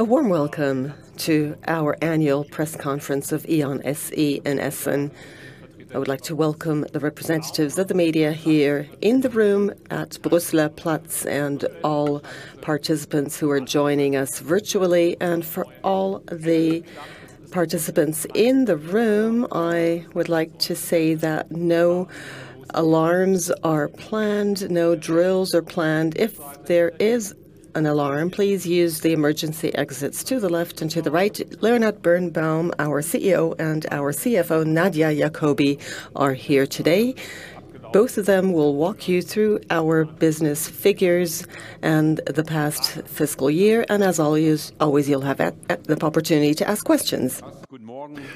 A warm welcome to our annual press conference of E.ON SE in Essen. I would like to welcome the representatives of the media here in the room at Brüsseler Platz and all participants who are joining us virtually. And for all the participants in the room, I would like to say that no alarms are planned, no drills are planned. If there is an alarm, please use the emergency exits to the left and to the right. Leonhard Birnbaum, our CEO, and our CFO, Nadia Jakobi, are here today. Both of them will walk you through our business figures and the past fiscal year. And as always, you'll have the opportunity to ask questions.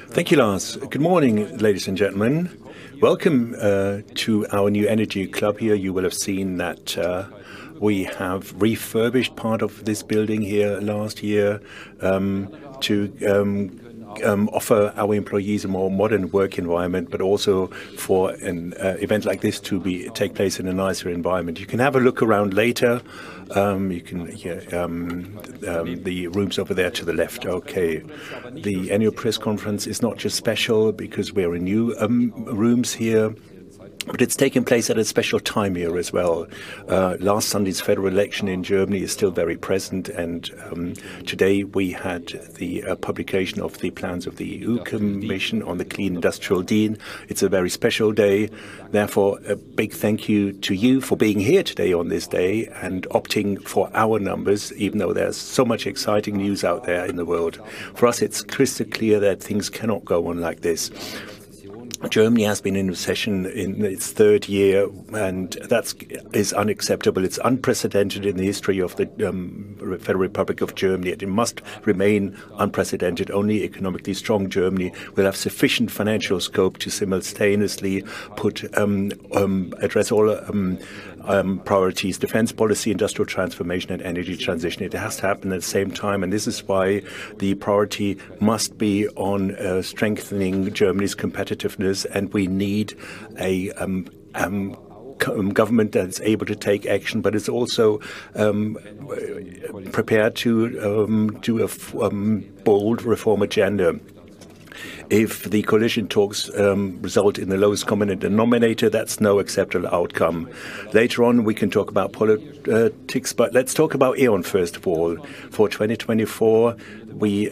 Thank you, Lars. Good morning, ladies and gentlemen. Welcome to our new energy club here. You will have seen that we have refurbished part of this building here last year to offer our employees a more modern work environment, but also for an event like this to take place in a nicer environment. You can have a look around later. You can hear the rooms over there to the left. Okay. The annual press conference is not just special because we have new rooms here, but it's taking place at a special time here as well. Last Sunday's federal election in Germany is still very present. And today we had the publication of the plans of the EU Commission on the Clean Industrial Deal. It's a very special day. Therefore, a big thank you to you for being here today on this day and opting for our numbers, even though there's so much exciting news out there in the world. For us, it's crystal clear that things cannot go on like this. Germany has been in recession in its third year, and that is unacceptable. It's unprecedented in the history of the Federal Republic of Germany. It must remain unprecedented. Only economically strong Germany will have sufficient financial scope to simultaneously address all priorities: defense policy, industrial transformation, and energy transition. It has to happen at the same time. And this is why the priority must be on strengthening Germany's competitiveness. And we need a government that's able to take action, but it's also prepared to do a bold reform agenda. If the coalition talks result in the lowest common denominator, that's no acceptable outcome. Later on, we can talk about politics, but let's talk about E.ON first of all. For 2024, we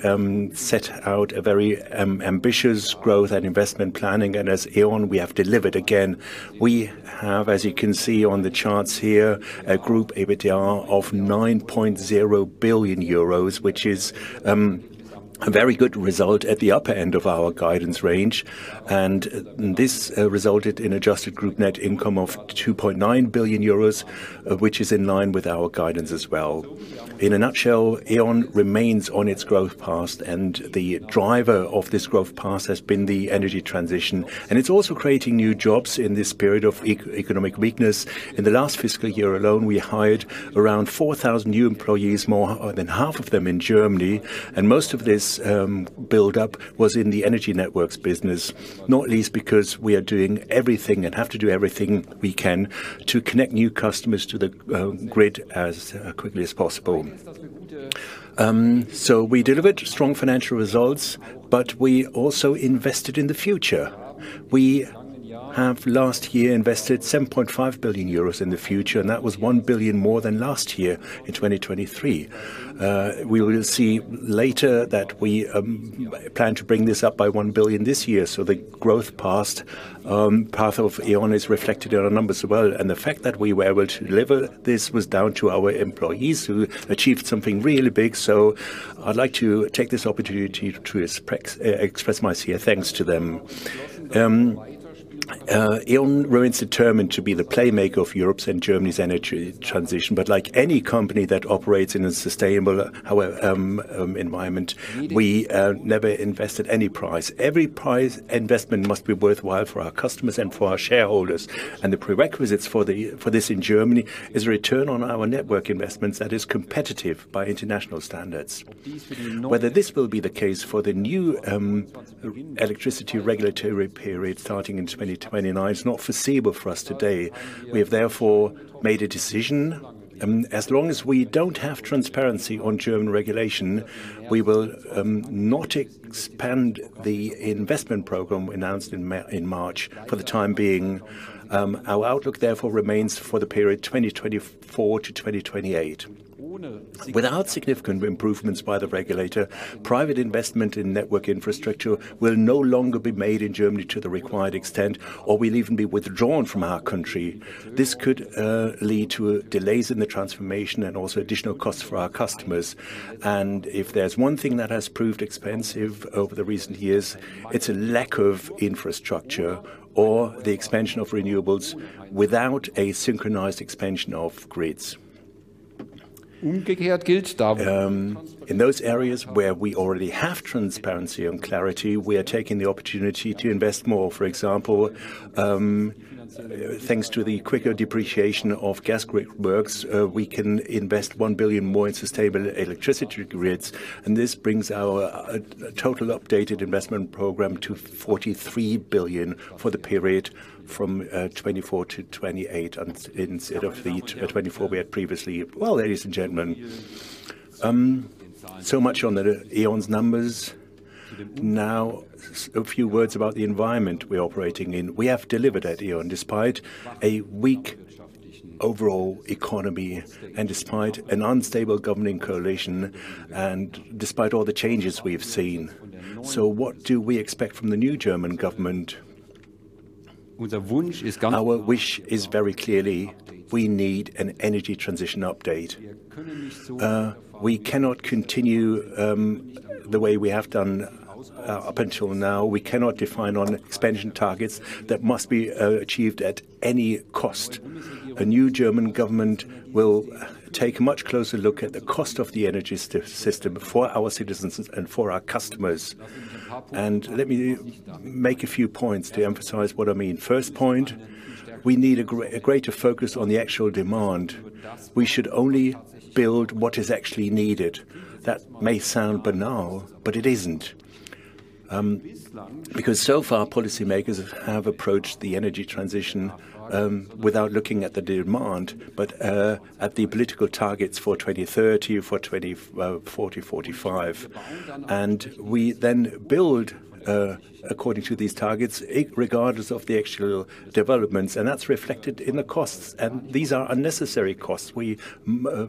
set out a very ambitious growth and investment planning, and as E.ON, we have delivered again. We have, as you can see on the charts here, a Group EBITDA of 9.0 billion euros, which is a very good result at the upper end of our guidance range, and this resulted in Adjusted Group Net Income of 2.9 billion euros, which is in line with our guidance as well. In a nutshell, E.ON remains on its growth path, and the driver of this growth path has been the energy transition, and it's also creating new jobs in this period of economic weakness. In the last fiscal year alone, we hired around 4,000 new employees, more than half of them in Germany. Most of this build-up was in the energy networks business, not least because we are doing everything and have to do everything we can to connect new customers to the grid as quickly as possible. We delivered strong financial results, but we also invested in the future. We invested EUR 7.5 billion in the future last year, and that was one billion more than last year in 2023. We will see later that we plan to bring this up by one billion this year. The growth path of E.ON is reflected in our numbers as well. The fact that we were able to deliver this was down to our employees who achieved something really big. I'd like to take this opportunity to express my sincere thanks to them. E.ON remains determined to be the playmaker of Europe's and Germany's energy transition. But like any company that operates in a sustainable environment, we never invest at any price. Every price investment must be worthwhile for our customers and for our shareholders. And the prerequisites for this in Germany is a return on our network investments that is competitive by international standards. Whether this will be the case for the new electricity regulatory period starting in 2029 is not foreseeable for us today. We have therefore made a decision: as long as we don't have transparency on German regulation, we will not expand the investment program announced in March for the time being. Our outlook therefore remains for the period 2024-2028. Without significant improvements by the regulator, private investment in network infrastructure will no longer be made in Germany to the required extent, or will even be withdrawn from our country. This could lead to delays in the transformation and also additional costs for our customers. And if there's one thing that has proved expensive over the recent years, it's a lack of infrastructure or the expansion of renewables without a synchronized expansion of grids. In those areas where we already have transparency and clarity, we are taking the opportunity to invest more. For example, thanks to the quicker depreciation of gas grid works, we can invest 1 billion more in sustainable electricity grids. And this brings our total updated investment program to 43 billion for the period from 2024 to 2028 instead of the 2024 we had previously. Well, ladies and gentlemen, so much on E.ON's numbers. Now, a few words about the environment we're operating in. We have delivered at E.ON despite a weak overall economy and despite an unstable governing coalition and despite all the changes we've seen. So what do we expect from the new German government? Our wish is very clearly: we need an energy transition update. We cannot continue the way we have done up until now. We cannot define on expansion targets that must be achieved at any cost. A new German government will take a much closer look at the cost of the energy system for our citizens and for our customers. And let me make a few points to emphasize what I mean. First point, we need a greater focus on the actual demand. We should only build what is actually needed. That may sound banal, but it isn't. Because so far, policymakers have approached the energy transition without looking at the demand, but at the political targets for 2030, for 2040, 2045. And we then build according to these targets, regardless of the actual developments. And that's reflected in the costs. These are unnecessary costs. We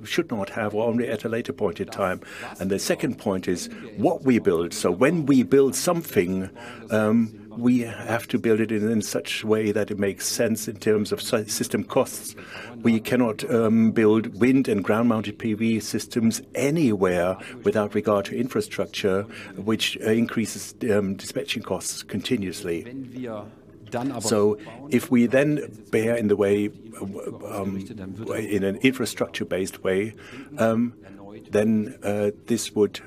should not have only at a later point in time. The second point is what we build. When we build something, we have to build it in such a way that it makes sense in terms of system costs. We cannot build wind and ground-mounted PV systems anywhere without regard to infrastructure, which increases dispatching costs continuously. If we then bear in the way in an infrastructure-based way, then this would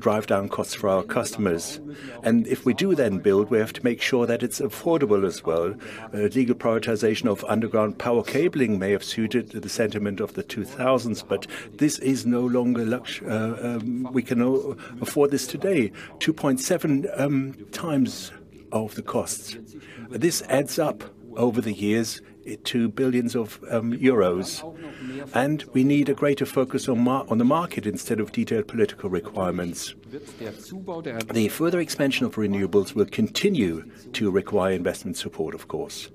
drive down costs for our customers. If we do then build, we have to make sure that it's affordable as well. Legal prioritization of underground power cabling may have suited the sentiment of the 2000s, but this is no longer luxury. We can afford this today, 2.7x of the costs. This adds up over the years to billions of euros. We need a greater focus on the market instead of detailed political requirements. The further expansion of renewables will continue to require investment support, of course.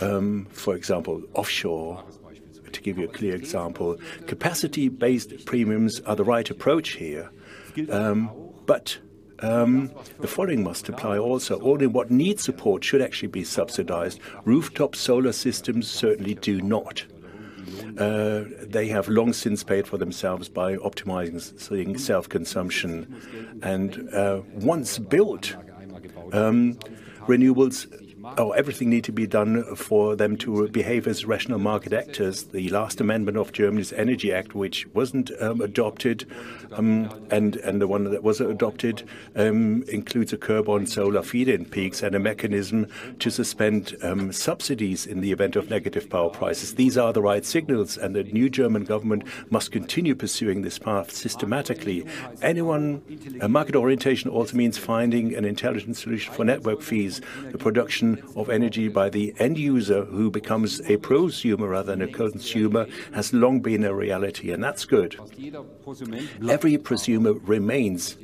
For example, offshore, to give you a clear example, capacity-based premiums are the right approach here. But the following must apply also: only what needs support should actually be subsidized. Rooftop solar systems certainly do not. They have long since paid for themselves by optimizing self-consumption. Once built, renewables or everything needs to be done for them to behave as rational market actors. The last amendment of Germany's Energy Act, which wasn't adopted, and the one that was adopted, includes a curb on solar feed-in peaks and a mechanism to suspend subsidies in the event of negative power prices. These are the right signals, and the new German government must continue pursuing this path systematically. Any market orientation also means finding an intelligent solution for network fees. The production of energy by the end user, who becomes a prosumer rather than a consumer, has long been a reality. And that's good. Every prosumer remains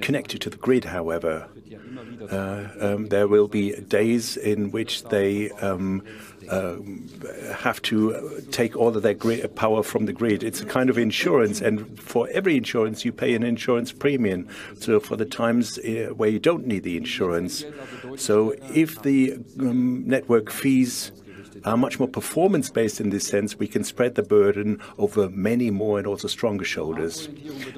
connected to the grid, however. There will be days in which they have to take all of their power from the grid. It's a kind of insurance. And for every insurance, you pay an insurance premium. So for the times where you don't need the insurance. So if the network fees are much more performance-based in this sense, we can spread the burden over many more and also stronger shoulders.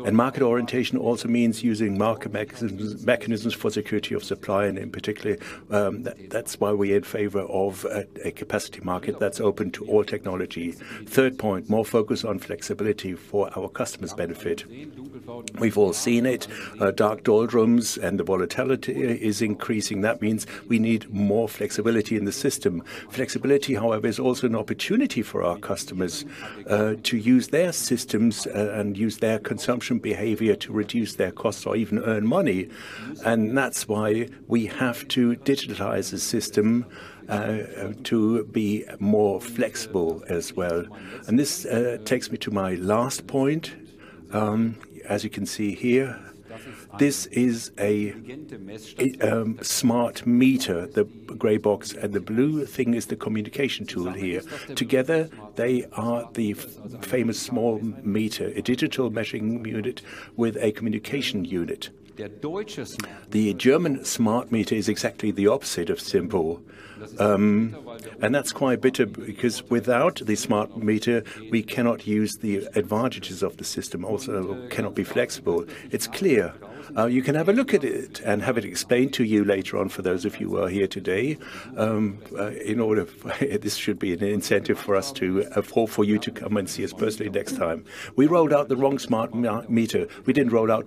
And market orientation also means using market mechanisms for security of supply. And in particular, that's why we are in favor of a capacity market that's open to all technology. Third point, more focus on flexibility for our customers' benefit. We've all seen it. Dark Doldrums and the volatility is increasing. That means we need more flexibility in the system. Flexibility, however, is also an opportunity for our customers to use their systems and use their consumption behavior to reduce their costs or even earn money, and that's why we have to digitize the system to be more flexible as well. And this takes me to my last point. As you can see here, this is a smart meter. The gray box and the blue thing is the communication tool here. Together, they are the famous smart meter, a digital measuring unit with a communication unit. The German smart meter is exactly the opposite of simple, and that's quite a bit because without the smart meter, we cannot use the advantages of the system. Also, cannot be flexible. It's clear. You can have a look at it and have it explained to you later on for those of you who are here today. This should be an incentive for you to come and see us personally next time. We rolled out the wrong smart meter. We didn't roll out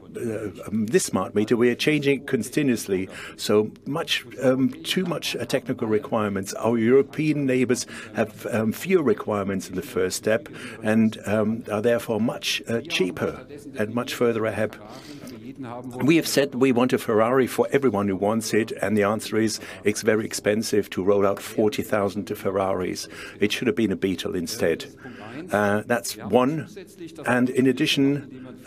this smart meter. We are changing continuously. So too much technical requirements. Our European neighbors have fewer requirements in the first step and are therefore much cheaper and much further ahead. We have said we want a Ferrari for everyone who wants it. And the answer is it's very expensive to roll out 40,000 Ferraris. It should have been a Beetle instead. That's one. And in addition,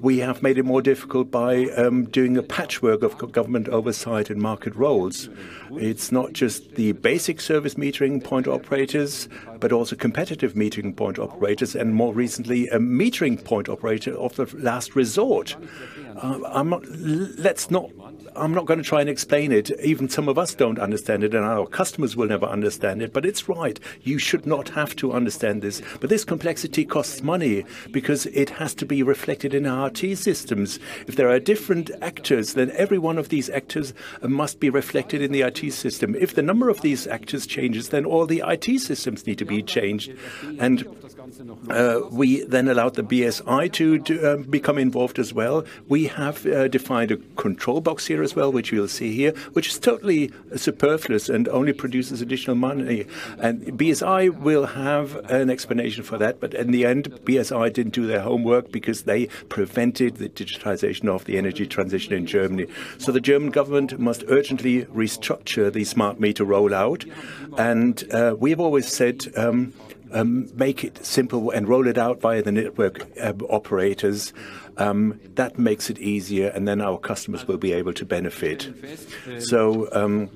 we have made it more difficult by doing a patchwork of government oversight and market roles. It's not just the basic service metering point operators, but also competitive metering point operators and more recently a metering point operator of the last resort. I'm not going to try and explain it. Even some of us don't understand it, and our customers will never understand it. But it's right. You should not have to understand this. But this complexity costs money because it has to be reflected in our IT systems. If there are different actors, then every one of these actors must be reflected in the IT system. If the number of these actors changes, then all the IT systems need to be changed. And we then allowed the BSI to become involved as well. We have defined a control box here as well, which you'll see here, which is totally superfluous and only produces additional money. And BSI will have an explanation for that. But in the end, BSI didn't do their homework because they prevented the digitization of the energy transition in Germany. So the German government must urgently restructure the smart meter rollout. And we've always said make it simple and roll it out via the network operators. That makes it easier, and then our customers will be able to benefit. So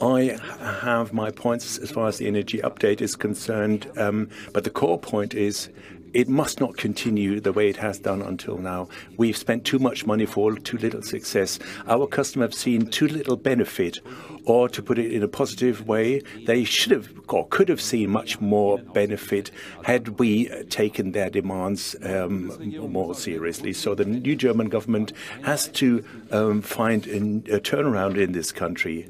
I have my points as far as the energy update is concerned. But the core point is it must not continue the way it has done until now. We've spent too much money for too little success. Our customers have seen too little benefit. Or to put it in a positive way, they should have or could have seen much more benefit had we taken their demands more seriously. So the new German government has to find a turnaround in this country.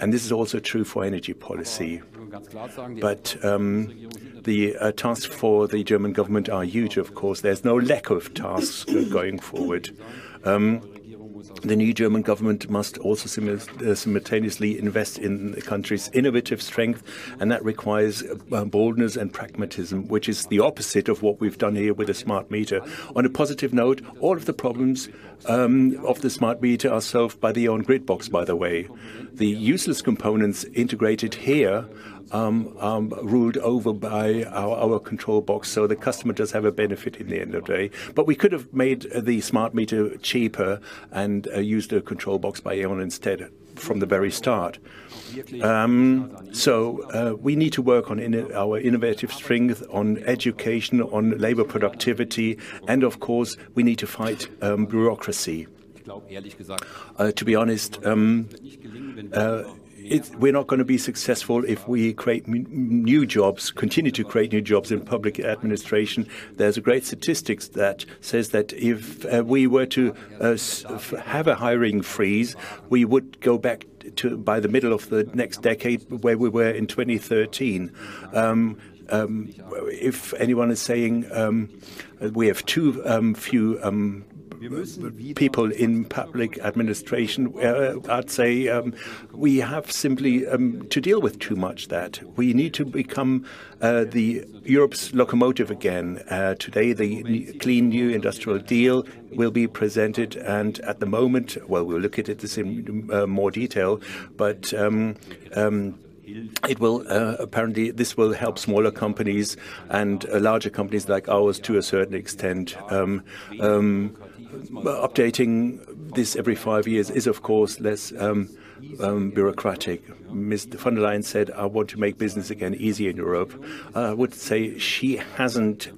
And this is also true for energy policy. But the tasks for the German government are huge, of course. There's no lack of tasks going forward. The new German government must also simultaneously invest in the country's innovative strength. And that requires boldness and pragmatism, which is the opposite of what we've done here with the Smart Meter. On a positive note, all of the problems of the Smart Meter are solved by the E.ON Grid Box, by the way. The useless components integrated here are ruled over by our Control Box. So the customer does have a benefit in the end of the day. But we could have made the Smart Meter cheaper and used a Control Box by E.ON instead from the very start. So we need to work on our innovative strength, on education, on labor productivity. And of course, we need to fight bureaucracy. To be honest, we're not going to be successful if we create new jobs, continue to create new jobs in public administration. There's a great statistic that says that if we were to have a hiring freeze, we would go back to by the middle of the next decade where we were in 2013. If anyone is saying we have too few people in public administration, I'd say we have simply to deal with too much that. We need to become Europe's locomotive again. Today, the Clean Industrial Deal will be presented, and at the moment, well, we'll look at it in more detail. But apparently, this will help smaller companies and larger companies like ours to a certain extent. Updating this every five years is, of course, less bureaucratic. Ms. von der Leyen said, "I want to make business again easier in Europe." I would say she hasn't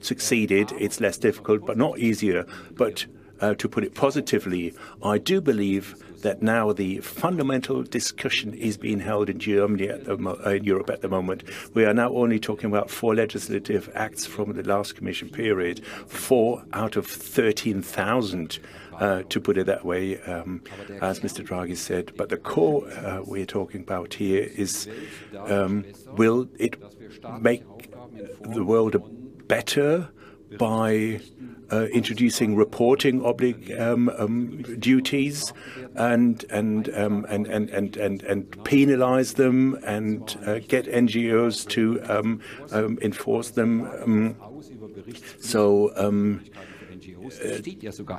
succeeded. It's less difficult, but not easier. But to put it positively, I do believe that now the fundamental discussion is being held in Germany, in Europe at the moment. We are now only talking about four legislative acts from the last commission period, four out of 13,000, to put it that way, as Mr. Draghi said. But the core we're talking about here is, will it make the world better by introducing reporting obligations and penalize them and get NGOs to enforce them? So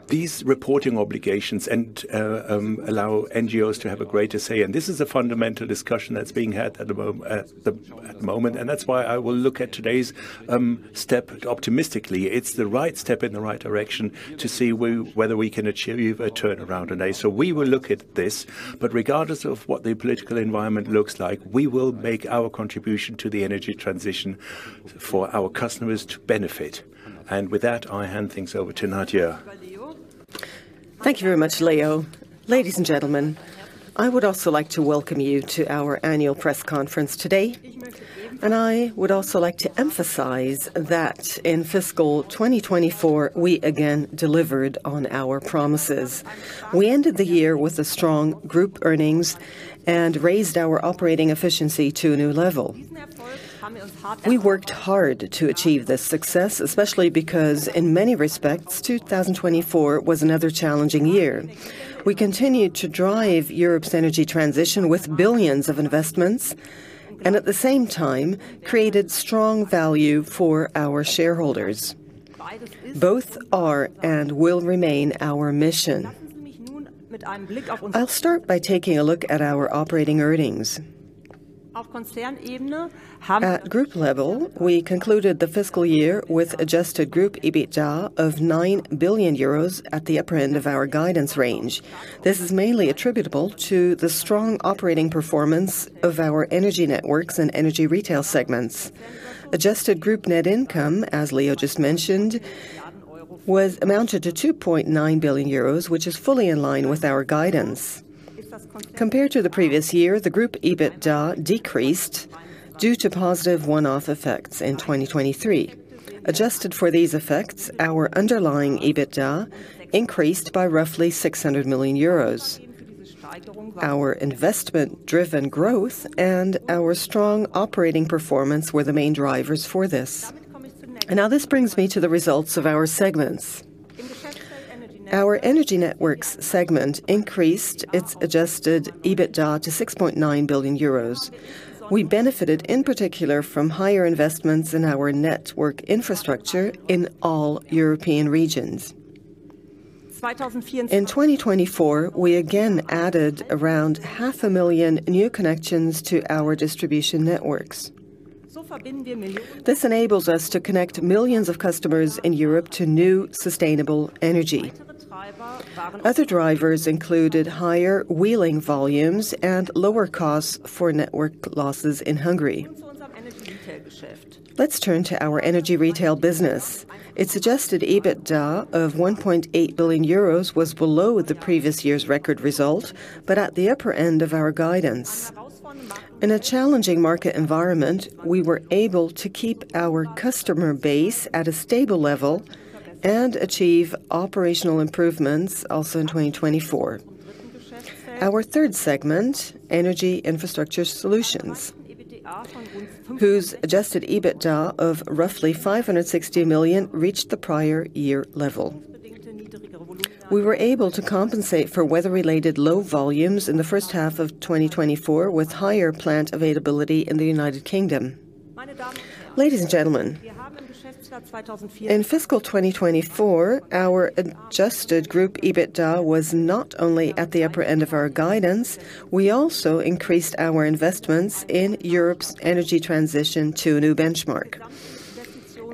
these reporting obligations allow NGOs to have a greater say. And this is a fundamental discussion that's being had at the moment. And that's why I will look at today's step optimistically. It's the right step in the right direction to see whether we can achieve a turnaround today. So we will look at this. But regardless of what the political environment looks like, we will make our contribution to the energy transition for our customers to benefit. And with that, I hand things over to Nadia. Thank you very much, Leo. Ladies and gentlemen, I would also like to welcome you to our annual press conference today. And I would also like to emphasize that in fiscal 2024, we again delivered on our promises. We ended the year with a strong group earnings and raised our operating efficiency to a new level. We worked hard to achieve this success, especially because in many respects, 2024 was another challenging year. We continued to drive Europe's energy transition with billions of investments and at the same time created strong value for our shareholders. Both are and will remain our mission. I'll start by taking a look at our operating earnings. At group level, we concluded the fiscal year with adjusted group EBITDA of 9 billion euros at the upper end of our guidance range. This is mainly attributable to the strong operating performance of our energy networks and energy retail segments. Adjusted group net income, as Leo just mentioned, was amounted toEUR 2.9 billion, which is fully in line with our guidance. Compared to the previous year, the group EBITDA decreased due to positive one-off effects in 2023. Adjusted for these effects, our underlying EBITDA increased by roughly 600 million euros. Our investment-driven growth and our strong operating performance were the main drivers for this. And now this brings me to the results of our segments. Our energy networks segment increased its adjusted EBITDA to 6.9 billion euros. We benefited in particular from higher investments in our network infrastructure in all European regions. In 2024, we again added around 500,000 new connections to our distribution networks. This enables us to connect millions of customers in Europe to new sustainable energy. Other drivers included higher wheeling volumes and lower costs for network losses in Hungary. Let's turn to our energy retail business. Its adjusted EBITDA of 1.8 billion euros was below the previous year's record result, but at the upper end of our guidance. In a challenging market environment, we were able to keep our customer base at a stable level and achieve operational improvements also in 2024. Our third segment, energy infrastructure solutions, whose adjusted EBITDA of roughly 560 million reached the prior year level. We were able to compensate for weather-related low volumes in the first half of 2024 with higher plant availability in the United Kingdom. Ladies and gentlemen, in fiscal 2024, our adjusted group EBITDA was not only at the upper end of our guidance, we also increased our investments in Europe's energy transition to a new benchmark.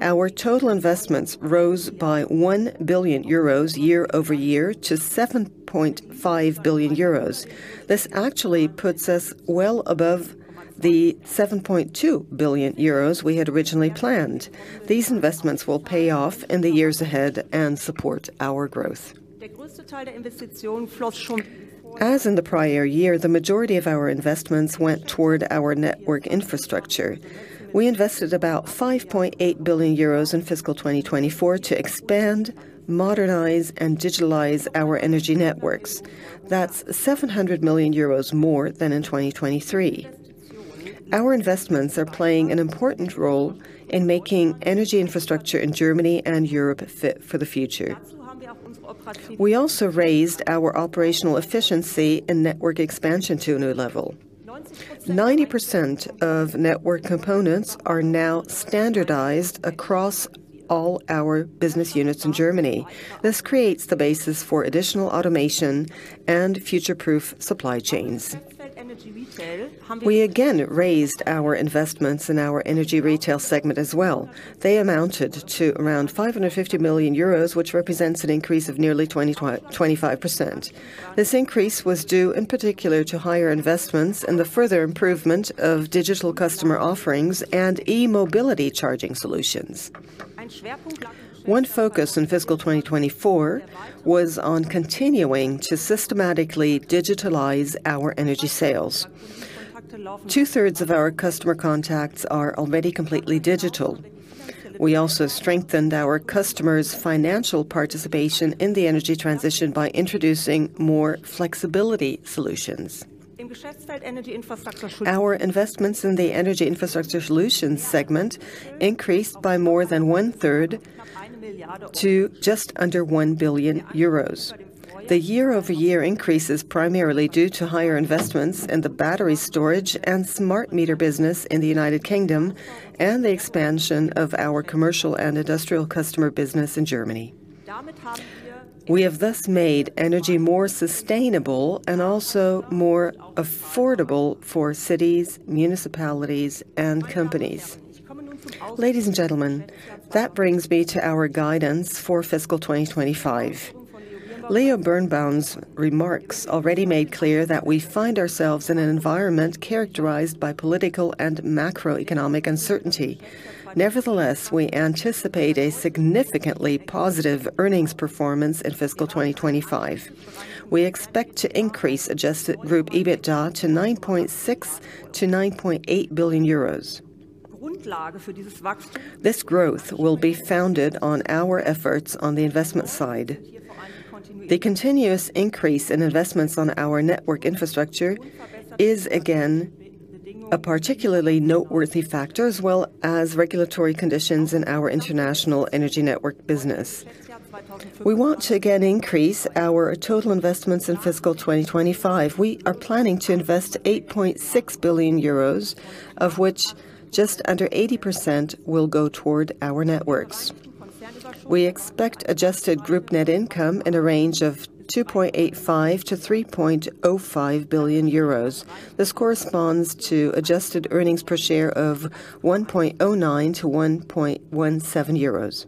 Our total investments rose by 1 billion euros year over year to 7.5 billion euros. This actually puts us well above the 7.2 billion euros we had originally planned. These investments will pay off in the years ahead and support our growth. As in the prior year, the majority of our investments went toward our network infrastructure. We invested about 5.8 billion euros in fiscal 2024 to expand, modernize, and digitalize our energy networks. That's 700 million euros more than in 2023. Our investments are playing an important role in making energy infrastructure in Germany and Europe fit for the future. We also raised our operational efficiency and network expansion to a new level. 90% of network components are now standardized across all our business units in Germany. This creates the basis for additional automation and future proof supply chains. We again raised our investments in our energy retail segment as well. They amounted to around 550 million euros, which represents an increase of nearly 25%. This increase was due in particular to higher investments and the further improvement of digital customer offerings and e-mobility charging solutions. One focus in fiscal 2024 was on continuing to systematically digitalize our energy sales. Two-thirds of our customer contacts are already completely digital. We also strengthened our customers' financial participation in the energy transition by introducing more flexibility solutions. Our investments in the energy infrastructure solutions segment increased by more than one-third to just under 1 billion euros. The year-over-year increase is primarily due to higher investments in the battery storage and smart meter business in the United Kingdom and the expansion of our commercial and industrial customer business in Germany. We have thus made energy more sustainable and also more affordable for cities, municipalities, and companies. Ladies and gentlemen, that brings me to our guidance for fiscal 2025. Leonhard Birnbaum's remarks already made clear that we find ourselves in an environment characterized by political and macroeconomic uncertainty. Nevertheless, we anticipate a significantly positive earnings performance in fiscal 2025. We expect to increase adjusted group EBITDA to 9.6 billion-9.8 billion euros. This growth will be founded on our efforts on the investment side. The continuous increase in investments on our network infrastructure is again a particularly noteworthy factor, as well as regulatory conditions in our international energy network business. We want to again increase our total investments in fiscal 2025. We are planning to invest 8.6 billion euros, of which just under 80% will go toward our networks. We expect adjusted group net income in a range of 2.85-3.05 billion euros. This corresponds to adjusted earnings per share of 1.09-1.17 euros.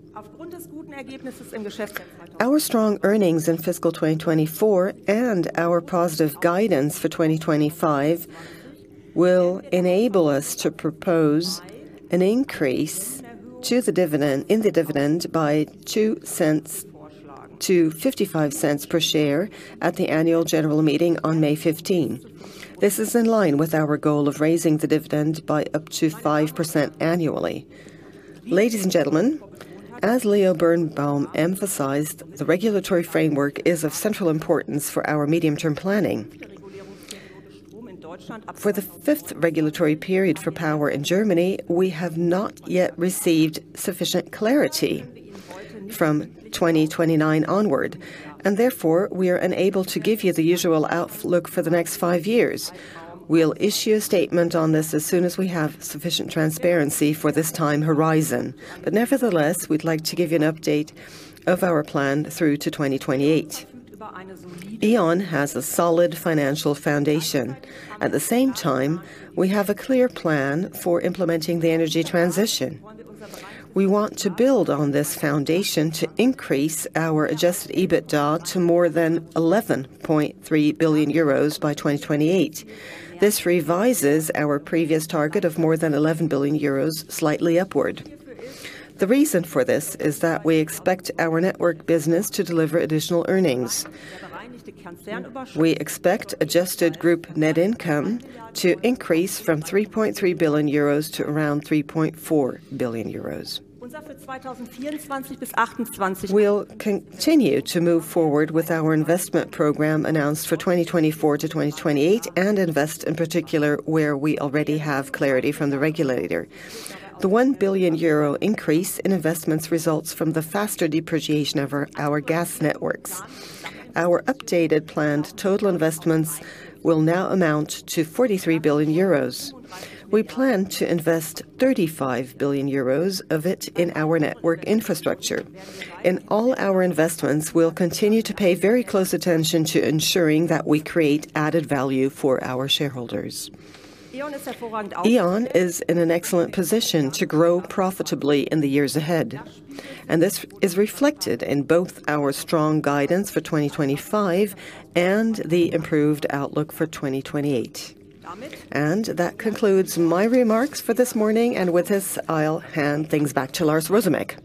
Our strong earnings in fiscal 2024 and our positive guidance for 2025 will enable us to propose an increase in the dividend by 0.02 to 0.55 per share at the annual general meeting on May 15. This is in line with our goal of raising the dividend by up to 5% annually. Ladies and gentlemen, as Leonhard Birnbaum emphasized, the regulatory framework is of central importance for our medium-term planning. For the fifth regulatory period for power in Germany, we have not yet received sufficient clarity from 2029 onward, and therefore, we are unable to give you the usual outlook for the next five years. We'll issue a statement on this as soon as we have sufficient transparency for this time horizon, but nevertheless, we'd like to give you an update of our plan through to 2028. E.ON has a solid financial foundation. At the same time, we have a clear plan for implementing the energy transition. We want to build on this foundation to increase our adjusted EBITDA to more than 11.3 billion euros by 2028. This revises our previous target of more than 11 billion euros slightly upward. The reason for this is that we expect our network business to deliver additional earnings. We expect Adjusted Group Net Income to increase from 3.3 billion euros to around 3.4 billion euros. We'll continue to move forward with our investment program announced for 2024 to 2028 and invest in particular where we already have clarity from the regulator. The 1 billion euro increase in investments results from the faster depreciation of our gas networks. Our updated planned total investments will now amount to 43 billion euros. We plan to invest 35 billion euros of it in our network infrastructure. In all our investments, we'll continue to pay very close attention to ensuring that we create added value for our shareholders. E.ON is in an excellent position to grow profitably in the years ahead, and this is reflected in both our strong guidance for 2025 and the improved outlook for 2028. That concludes my remarks for this morning. With this, I'll hand things back to Lars Rosumek.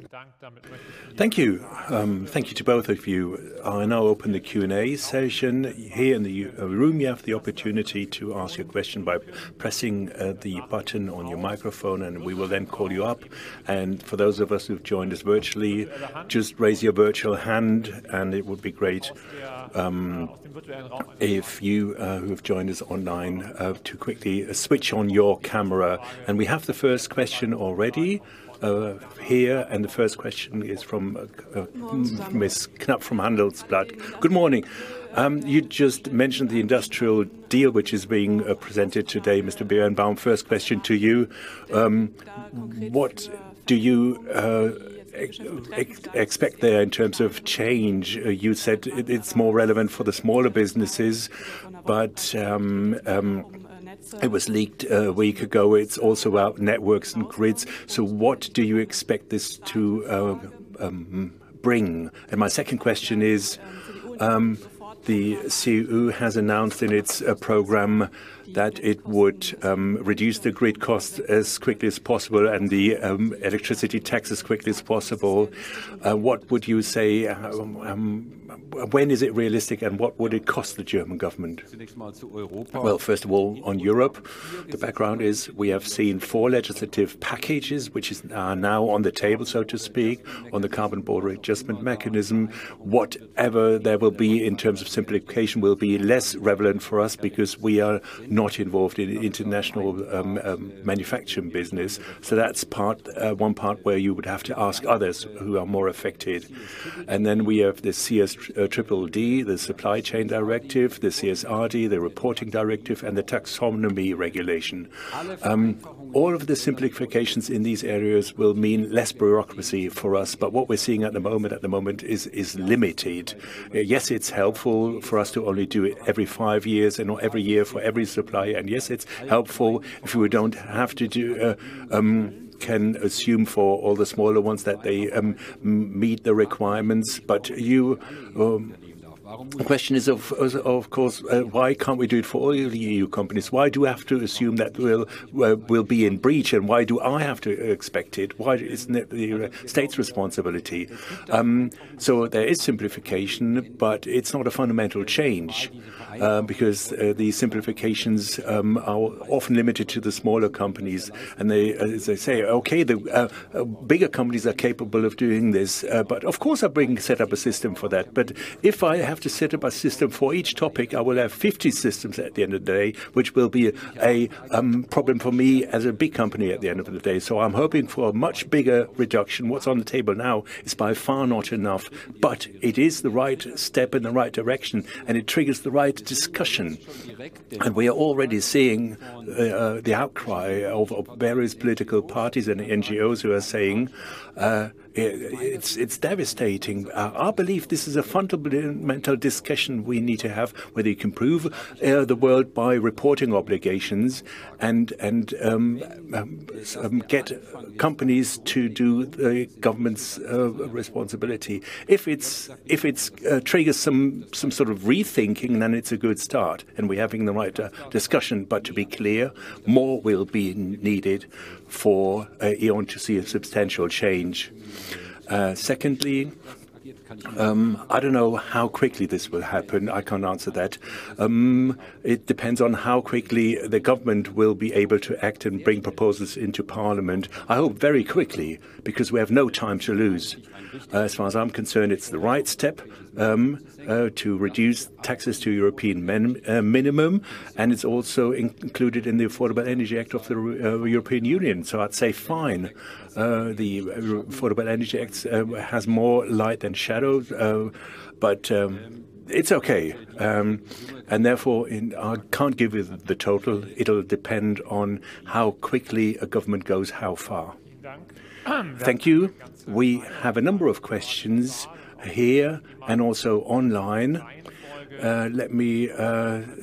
Thank you. Thank you to both of you. I now open the Q&A session. Here in the room, you have the opportunity to ask a question by pressing the button on your microphone, and we will then call you up. For those of us who've joined us virtually, just raise your virtual hand, and it would be great if you who have joined us online to quickly switch on your camera. We have the first question already here. The first question is from Ms. Krapp from Handelsblatt. Good morning. You just mentioned the industrial deal, which is being presented today. Mr. Birnbaum, first question to you. What do you expect there in terms of change? You said it's more relevant for the smaller businesses, but it was leaked a week ago. It's also about networks and grids. So what do you expect this to bring? And my second question is, the EU has announced in its program that it would reduce the grid costs as quickly as possible and the electricity tax as quickly as possible. What would you say? When is it realistic, and what would it cost the German government? Well, first of all, on Europe, the background is we have seen four legislative packages, which are now on the table, so to speak, on the Carbon Border Adjustment Mechanism. Whatever there will be in terms of simplification will be less relevant for us because we are not involved in the international manufacturing business. So that's one part where you would have to ask others who are more affected. And then we have the CSDDD, the Supply Chain Directive, the CSRD, the Reporting Directive, and the Taxonomy Regulation. All of the simplifications in these areas will mean less bureaucracy for us. But what we're seeing at the moment is limited. Yes, it's helpful for us to only do it every five years and not every year for every supplier. And yes, it's helpful if you don't have to do, can assume for all the smaller ones that they meet the requirements. But the question is, of course, why can't we do it for all the EU companies? Why do I have to assume that will be in breach? And why do I have to expect it? Why isn't it the state's responsibility? So there is simplification, but it's not a fundamental change because these simplifications are often limited to the smaller companies. And as I say, okay, the bigger companies are capable of doing this. But of course, I'll have to set up a system for that. But if I have to set up a system for each topic, I will have 50 systems at the end of the day, which will be a problem for me as a big company at the end of the day. So I'm hoping for a much bigger reduction. What's on the table now is by far not enough, but it is the right step in the right direction, and it triggers the right discussion. And we are already seeing the outcry of various political parties and NGOs who are saying it's devastating. I believe this is a fundamental discussion we need to have whether you can save the world by reporting obligations and get companies to do the government's responsibility. If it triggers some sort of rethinking, then it's a good start and we're having the right discussion, but to be clear, more will be needed for E.ON to see a substantial change. Secondly, I don't know how quickly this will happen. I can't answer that. It depends on how quickly the government will be able to act and bring proposals into Parliament. I hope very quickly because we have no time to lose. As far as I'm concerned, it's the right step to reduce taxes to European minimum and it's also included in the Affordable Energy Act of the European Union, so I'd say fine. The Affordable Energy Act has more light than shadows, but it's okay and therefore, I can't give you the total. It'll depend on how quickly a government goes how far. Thank you. We have a number of questions here and also online. Let me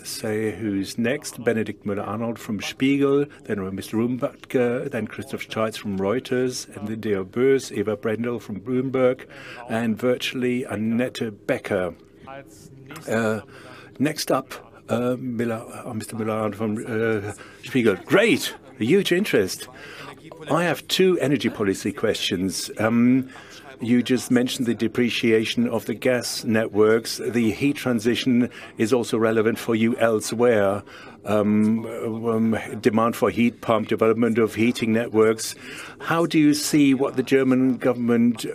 say who's next. Benedikt Müller-Arnold from Der Spiegel, then Mr. Rumbacher, then Christoph Steitz from Reuters, and then Nadine Bös, Eva Brendel from Bloomberg, and virtually Annette Becker. Next up, Mr. Müller-Arnold from Der Spiegel. Great. Huge interest. I have two energy policy questions. You just mentioned the depreciation of the gas networks. The heat transition is also relevant for you elsewhere. Demand for heat pump development of heating networks. How do you see what the German government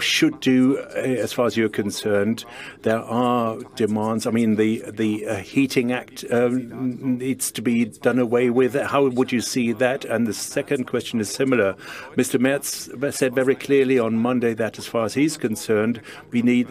should do as far as you're concerned? There are demands. I mean, the Heating Act needs to be done away with. How would you see that? And the second question is similar. Mr. Merz said very clearly on Monday that as far as he's concerned, we need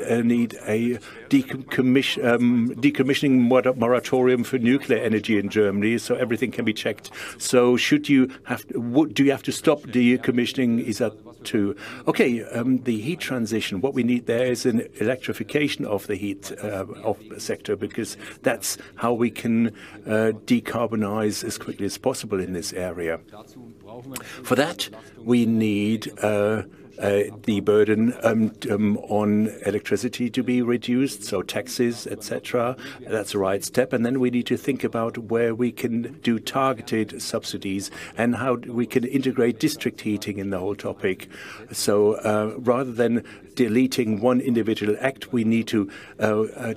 a decommissioning moratorium for nuclear energy in Germany so everything can be checked. So should you have to stop decommissioning? Is that too? Okay. The heat transition, what we need there is an electrification of the heat sector because that's how we can decarbonize as quickly as possible in this area. For that, we need the burden on electricity to be reduced, so taxes, etc. That's the right step, and then we need to think about where we can do targeted subsidies and how we can integrate district heating in the whole topic, so rather than deleting one individual act, we need to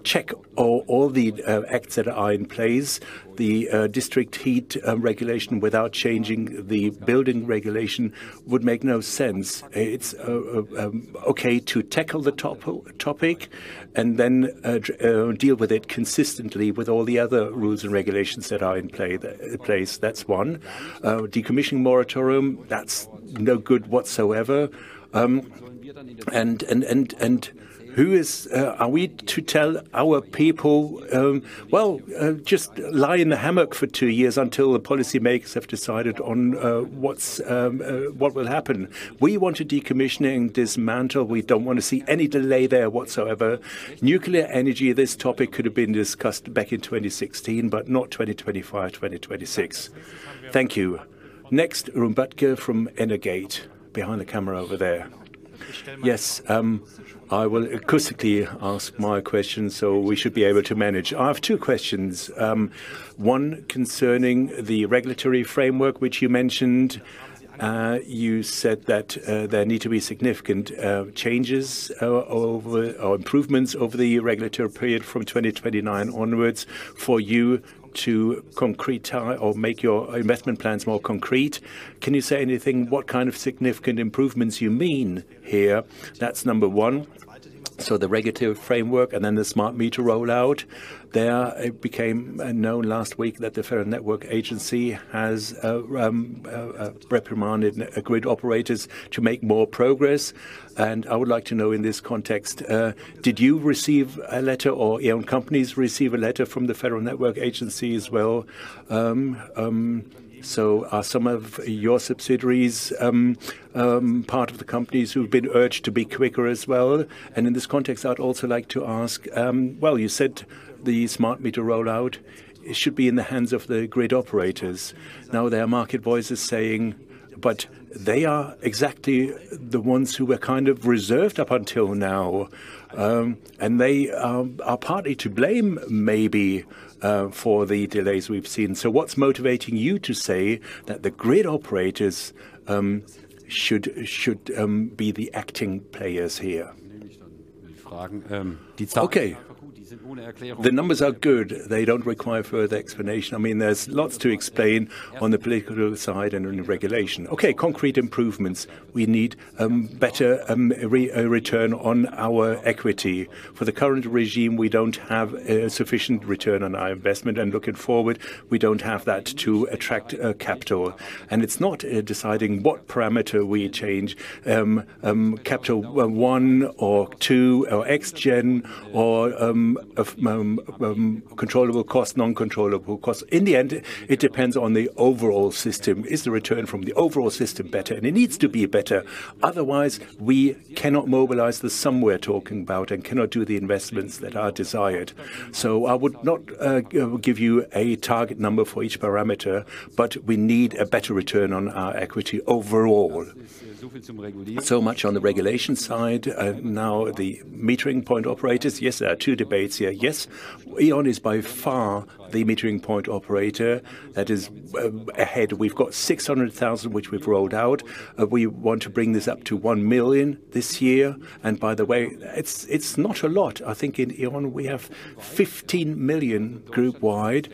check all the acts that are in place. The district heat regulation without changing the building regulation would make no sense. It's okay to tackle the topic and then deal with it consistently with all the other rules and regulations that are in place. That's one. Decommissioning moratorium, that's no good whatsoever. And who are we to tell our people, well, just lie in the hammock for two years until the policymakers have decided on what will happen? We want a decommissioning dismantle. We don't want to see any delay there whatsoever. Nuclear energy, this topic could have been discussed back in 2016, but not 2025, 2026. Thank you. Next, Rumbacher from Energate behind the camera over there. Yes, I will acoustically ask my question, so we should be able to manage. I have two questions. One concerning the regulatory framework, which you mentioned. You said that there need to be significant changes or improvements over the regulatory period from 2029 onwards for you to concrete or make your investment plans more concrete. Can you say anything? What kind of significant improvements you mean here? That's number one. So the regulatory framework and then the smart meter rollout. There became known last week that the Federal Network Agency has reprimanded grid operators to make more progress, and I would like to know in this context, did you receive a letter or E.ON companies receive a letter from the Federal Network Agency as well, so are some of your subsidiaries part of the companies who've been urged to be quicker as well, and in this context, I'd also like to ask, well, you said the smart meter rollout should be in the hands of the grid operators, now there are market voices saying, but they are exactly the ones who were kind of reserved up until now, and they are partly to blame maybe for the delays we've seen, so what's motivating you to say that the grid operators should be the acting players here? Okay. The numbers are good. They don't require further explanation. I mean, there's lots to explain on the political side and on the regulation. Okay, concrete improvements. We need better return on our equity. For the current regime, we don't have a sufficient return on our investment. And looking forward, we don't have that to attract capital. And it's not deciding what parameter we change, Capital One or Two or X-Gen or controllable cost, non-controllable cost. In the end, it depends on the overall system. Is the return from the overall system better? And it needs to be better. Otherwise, we cannot mobilize the capital we're talking about and cannot do the investments that are desired. So I would not give you a target number for each parameter, but we need a better return on our equity overall. So much on the regulation side. Now, the metering point operators, yes, there are two debates here. Yes, E.ON is by far the metering point operator that is ahead. We've got 600,000, which we've rolled out. We want to bring this up to one million this year. By the way, it's not a lot. I think in E.ON, we have 15 million group-wide.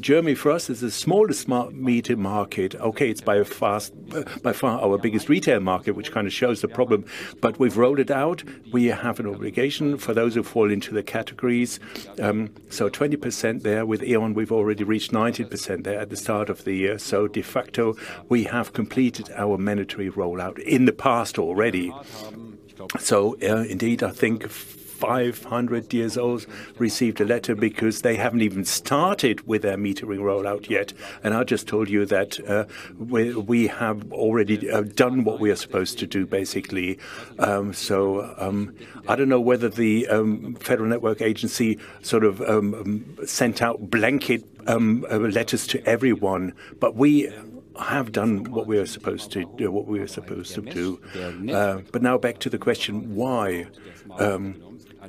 Germany for us is the smallest smart meter market. Okay, it's by far our biggest retail market, which kind of shows the problem. We've rolled it out. We have an obligation for those who fall into the categories. 20% there with E.ON, we've already reached 90% there at the start of the year. De facto, we have completed our mandatory rollout in the past already. Indeed, I think 500 households received a letter because they haven't even started with their metering rollout yet. I just told you that we have already done what we are supposed to do, basically. I don't know whether the Federal Network Agency sort of sent out blanket letters to everyone, but we have done what we are supposed to do, what we are supposed to do. Now back to the question, why?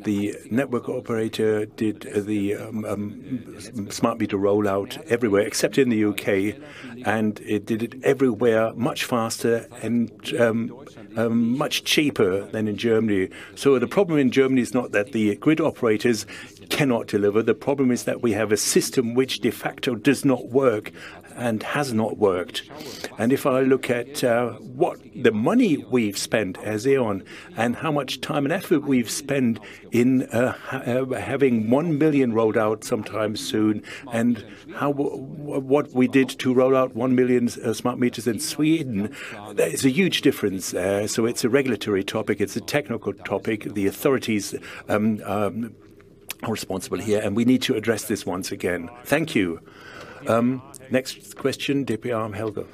The network operator did the smart meter rollout everywhere except in the UK, and it did it everywhere much faster and much cheaper than in Germany. The problem in Germany is not that the grid operators cannot deliver. The problem is that we have a system which de facto does not work and has not worked. If I look at what the money we've spent as E.ON and how much time and effort we've spent in having one million rolled out sometime soon and what we did to roll out one million smart meters in Sweden, there is a huge difference there. So it's a regulatory topic. It's a technical topic. The authorities are responsible here, and we need to address this once again. Thank you. Next question, Dr. Armhelger.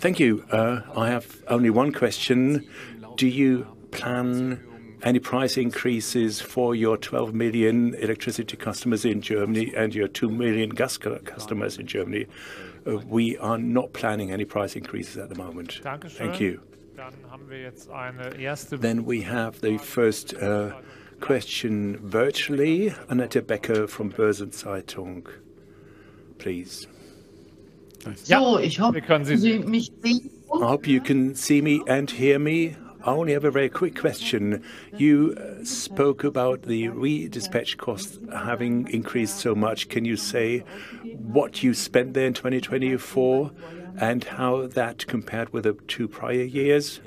Thank you. I have only one question. Do you plan any price increases for your 12 million electricity customers in Germany and your two million gas customers in Germany? We are not planning any price increases at the moment. Thank you. Then we have the first question virtually, Annette Becker from Börsen-Zeitung, please. I hope you can see me and hear me. I only have a very quick question. You spoke about the redispatch costs having increased so much. Can you say what you spent there in 2024 and how that compared with the two prior years?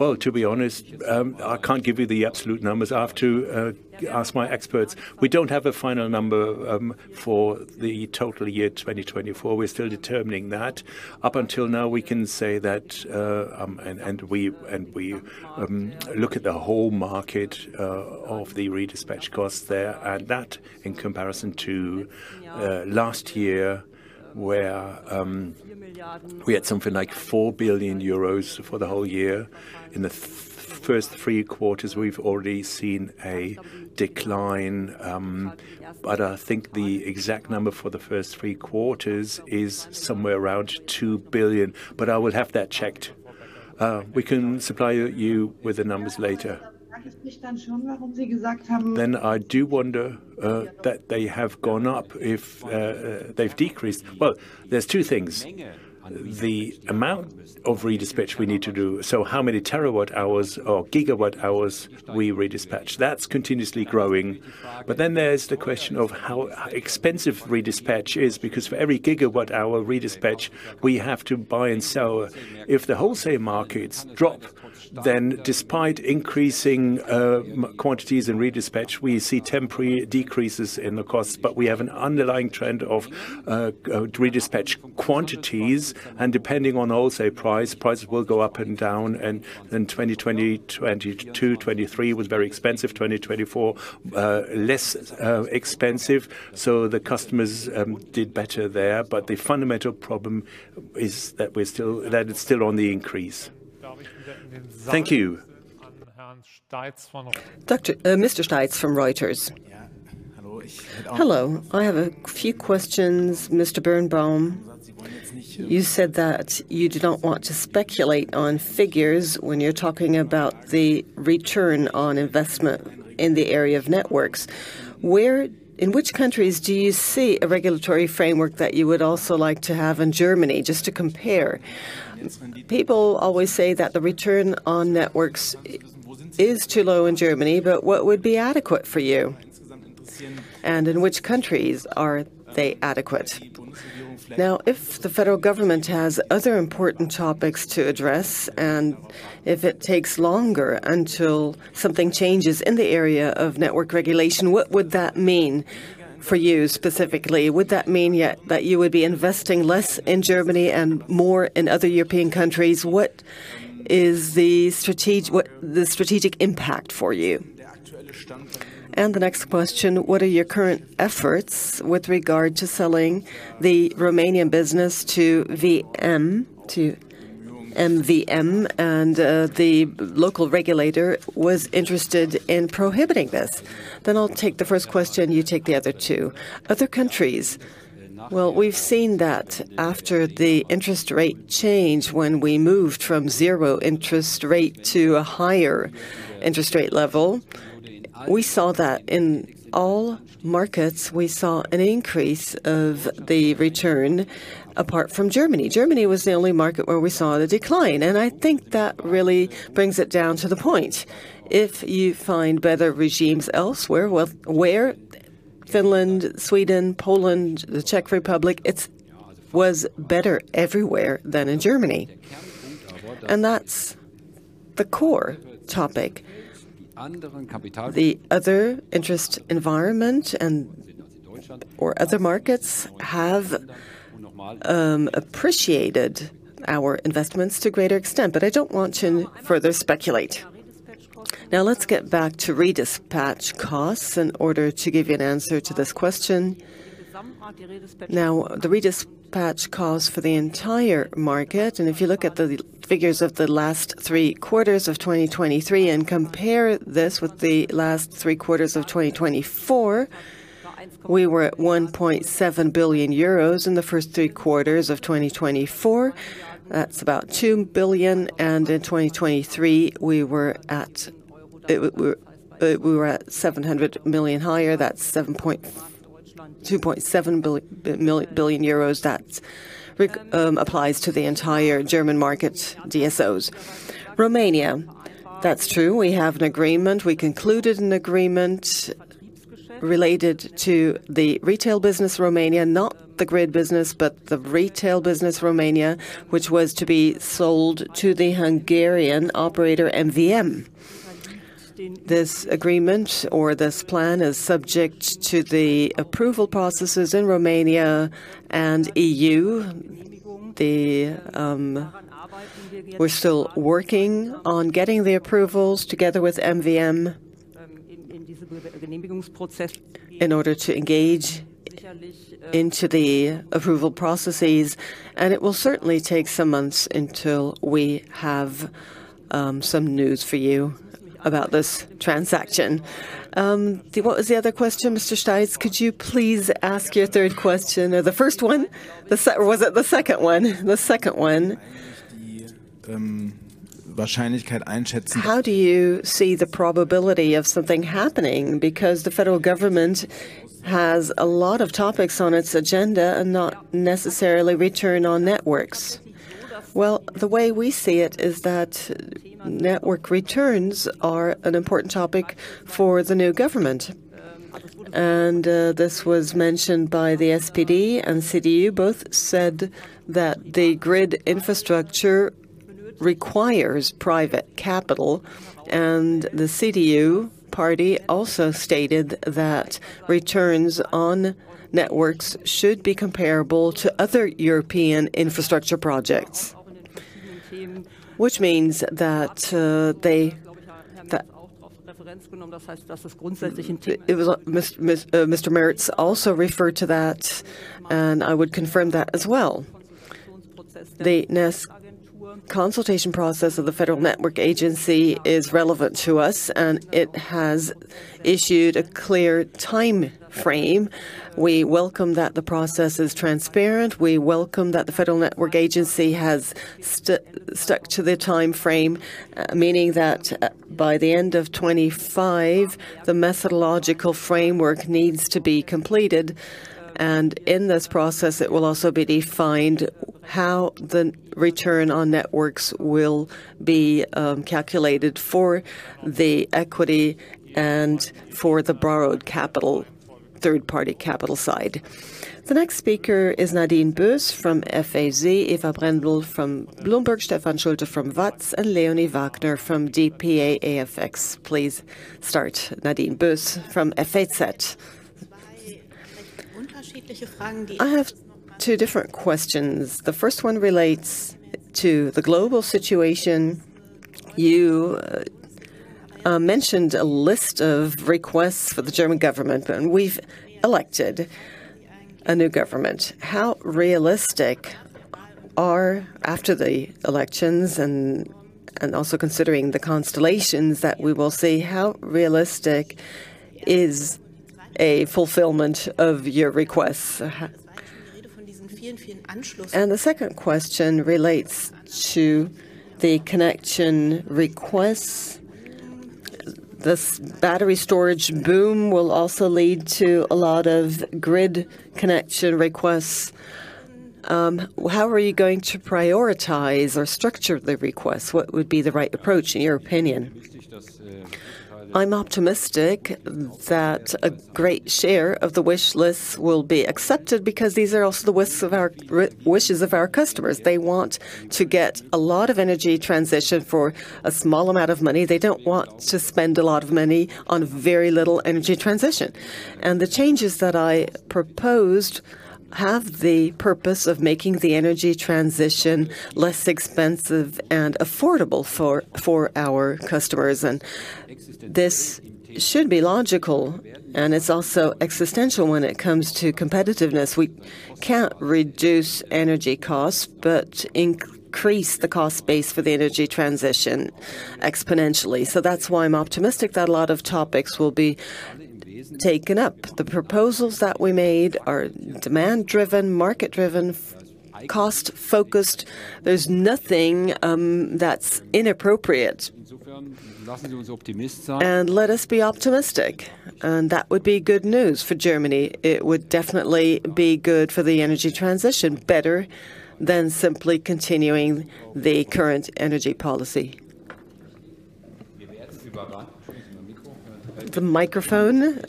Well, to be honest, I can't give you the absolute numbers. I have to ask my experts. We don't have a final number for the total year 2024. We're still determining that. Up until now, we can say that, and we look at the whole market of the redispatch costs there, and that in comparison to last year where we had something like 4 billion euros for the whole year. In the first three quarters, we've already seen a decline. But I think the exact number for the first three quarters is somewhere around 2 billion. But I will have that checked. We can supply you with the numbers later. Then I do wonder that they have gone up if they've decreased. There's two things. The amount of redispatch we need to do, so how many terawatt hours or gigawatt hours we redispatch. That's continuously growing. But then there's the question of how expensive redispatch is because for every gigawatt hour redispatch, we have to buy and sell. If the wholesale markets drop, then despite increasing quantities and redispatch, we see temporary decreases in the costs. But we have an underlying trend of redispatch quantities. And depending on wholesale price, prices will go up and down. And then 2022, 2023 was very expensive. 2024, less expensive. So the customers did better there. But the fundamental problem is that it's still on the increase. Thank you. Mr. Steitz from Reuters. Hello. I have a few questions, Mr. Birnbaum. You said that you do not want to speculate on figures when you're talking about the return on investment in the area of networks. In which countries do you see a regulatory framework that you would also like to have in Germany just to compare? People always say that the return on networks is too low in Germany, but what would be adequate for you? And in which countries are they adequate? Now, if the federal government has other important topics to address and if it takes longer until something changes in the area of network regulation, what would that mean for you specifically? Would that mean that you would be investing less in Germany and more in other European countries? What is the strategic impact for you? And the next question, what are your current efforts with regard to selling the Romanian business to MVM, and the local regulator was interested in prohibiting this? Then I'll take the first question, you take the other two. Other countries, well, we've seen that after the interest rate change, when we moved from zero interest rate to a higher interest rate level, we saw that in all markets, we saw an increase of the return apart from Germany. Germany was the only market where we saw the decline, and I think that really brings it down to the point. If you find better regimes elsewhere, well, where? Finland, Sweden, Poland, the Czech Republic, it was better everywhere than in Germany. And that's the core topic. The other interest environment and other markets have appreciated our investments to a greater extent, but I don't want to further speculate. Now, let's get back to Redispatch costs in order to give you an answer to this question. Now, the redispatch costs for the entire market, and if you look at the figures of the last three quarters of 2023 and compare this with the last three quarters of 2024, we were at 1.7 billion euros in the first three quarters of 2024. That's about 2 billion. And in 2023, we were at 700 million higher. That's 2.7 billion. That applies to the entire German market, DSOs. Romania, that's true. We have an agreement. We concluded an agreement related to the retail business Romania, not the grid business, but the retail business Romania, which was to be sold to the Hungarian operator MVM. This agreement or this plan is subject to the approval processes in Romania and EU. We're still working on getting the approvals together with MVM in order to engage into the approval processes. It will certainly take some months until we have some news for you about this transaction. What was the other question, Mr. Steitz? Could you please ask your third question or the first one? Was it the second one? The second one. How do you see the probability of something happening? Because the federal government has a lot of topics on its agenda and not necessarily return on networks. The way we see it is that network returns are an important topic for the new government. And this was mentioned by the SPD and CDU. Both said that the grid infrastructure requires private capital. And the CDU party also stated that returns on networks should be comparable to other European infrastructure projects, which means that they, Mr. Merz, also referred to that, and I would confirm that as well. The NESC consultation process of the Federal Network Agency is relevant to us, and it has issued a clear time frame. We welcome that the process is transparent. We welcome that the Federal Network Agency has stuck to the time frame, meaning that by the end of 2025, the methodological framework needs to be completed. In this process, it will also be defined how the return on networks will be calculated for the equity and for the borrowed capital, third-party capital side. The next speaker is Nadine Bös from FAZ, Eva Brandl from Bloomberg, Stefan Schulte from WAZ, and Leonie Wagner from DPA-AFX. Please start, Nadine Bös from FAZ. I have two different questions. The first one relates to the global situation. You mentioned a list of requests for the German government, and we've elected a new government. How realistic are after the elections and also considering the constellations that we will see, how realistic is a fulfillment of your requests? And the second question relates to the connection requests. This battery storage boom will also lead to a lot of grid connection requests. How are you going to prioritize or structure the requests? What would be the right approach in your opinion? I'm optimistic that a great share of the wish lists will be accepted because these are also the wishes of our customers. They want to get a lot of energy transition for a small amount of money. They don't want to spend a lot of money on very little energy transition. And the changes that I proposed have the purpose of making the energy transition less expensive and affordable for our customers. And this should be logical, and it's also existential when it comes to competitiveness. We can't reduce energy costs, but increase the cost base for the energy transition exponentially. So that's why I'm optimistic that a lot of topics will be taken up. The proposals that we made are demand-driven, market-driven, cost-focused. There's nothing that's inappropriate. And let us be optimistic. And that would be good news for Germany. It would definitely be good for the energy transition, better than simply continuing the current energy policy. The microphone,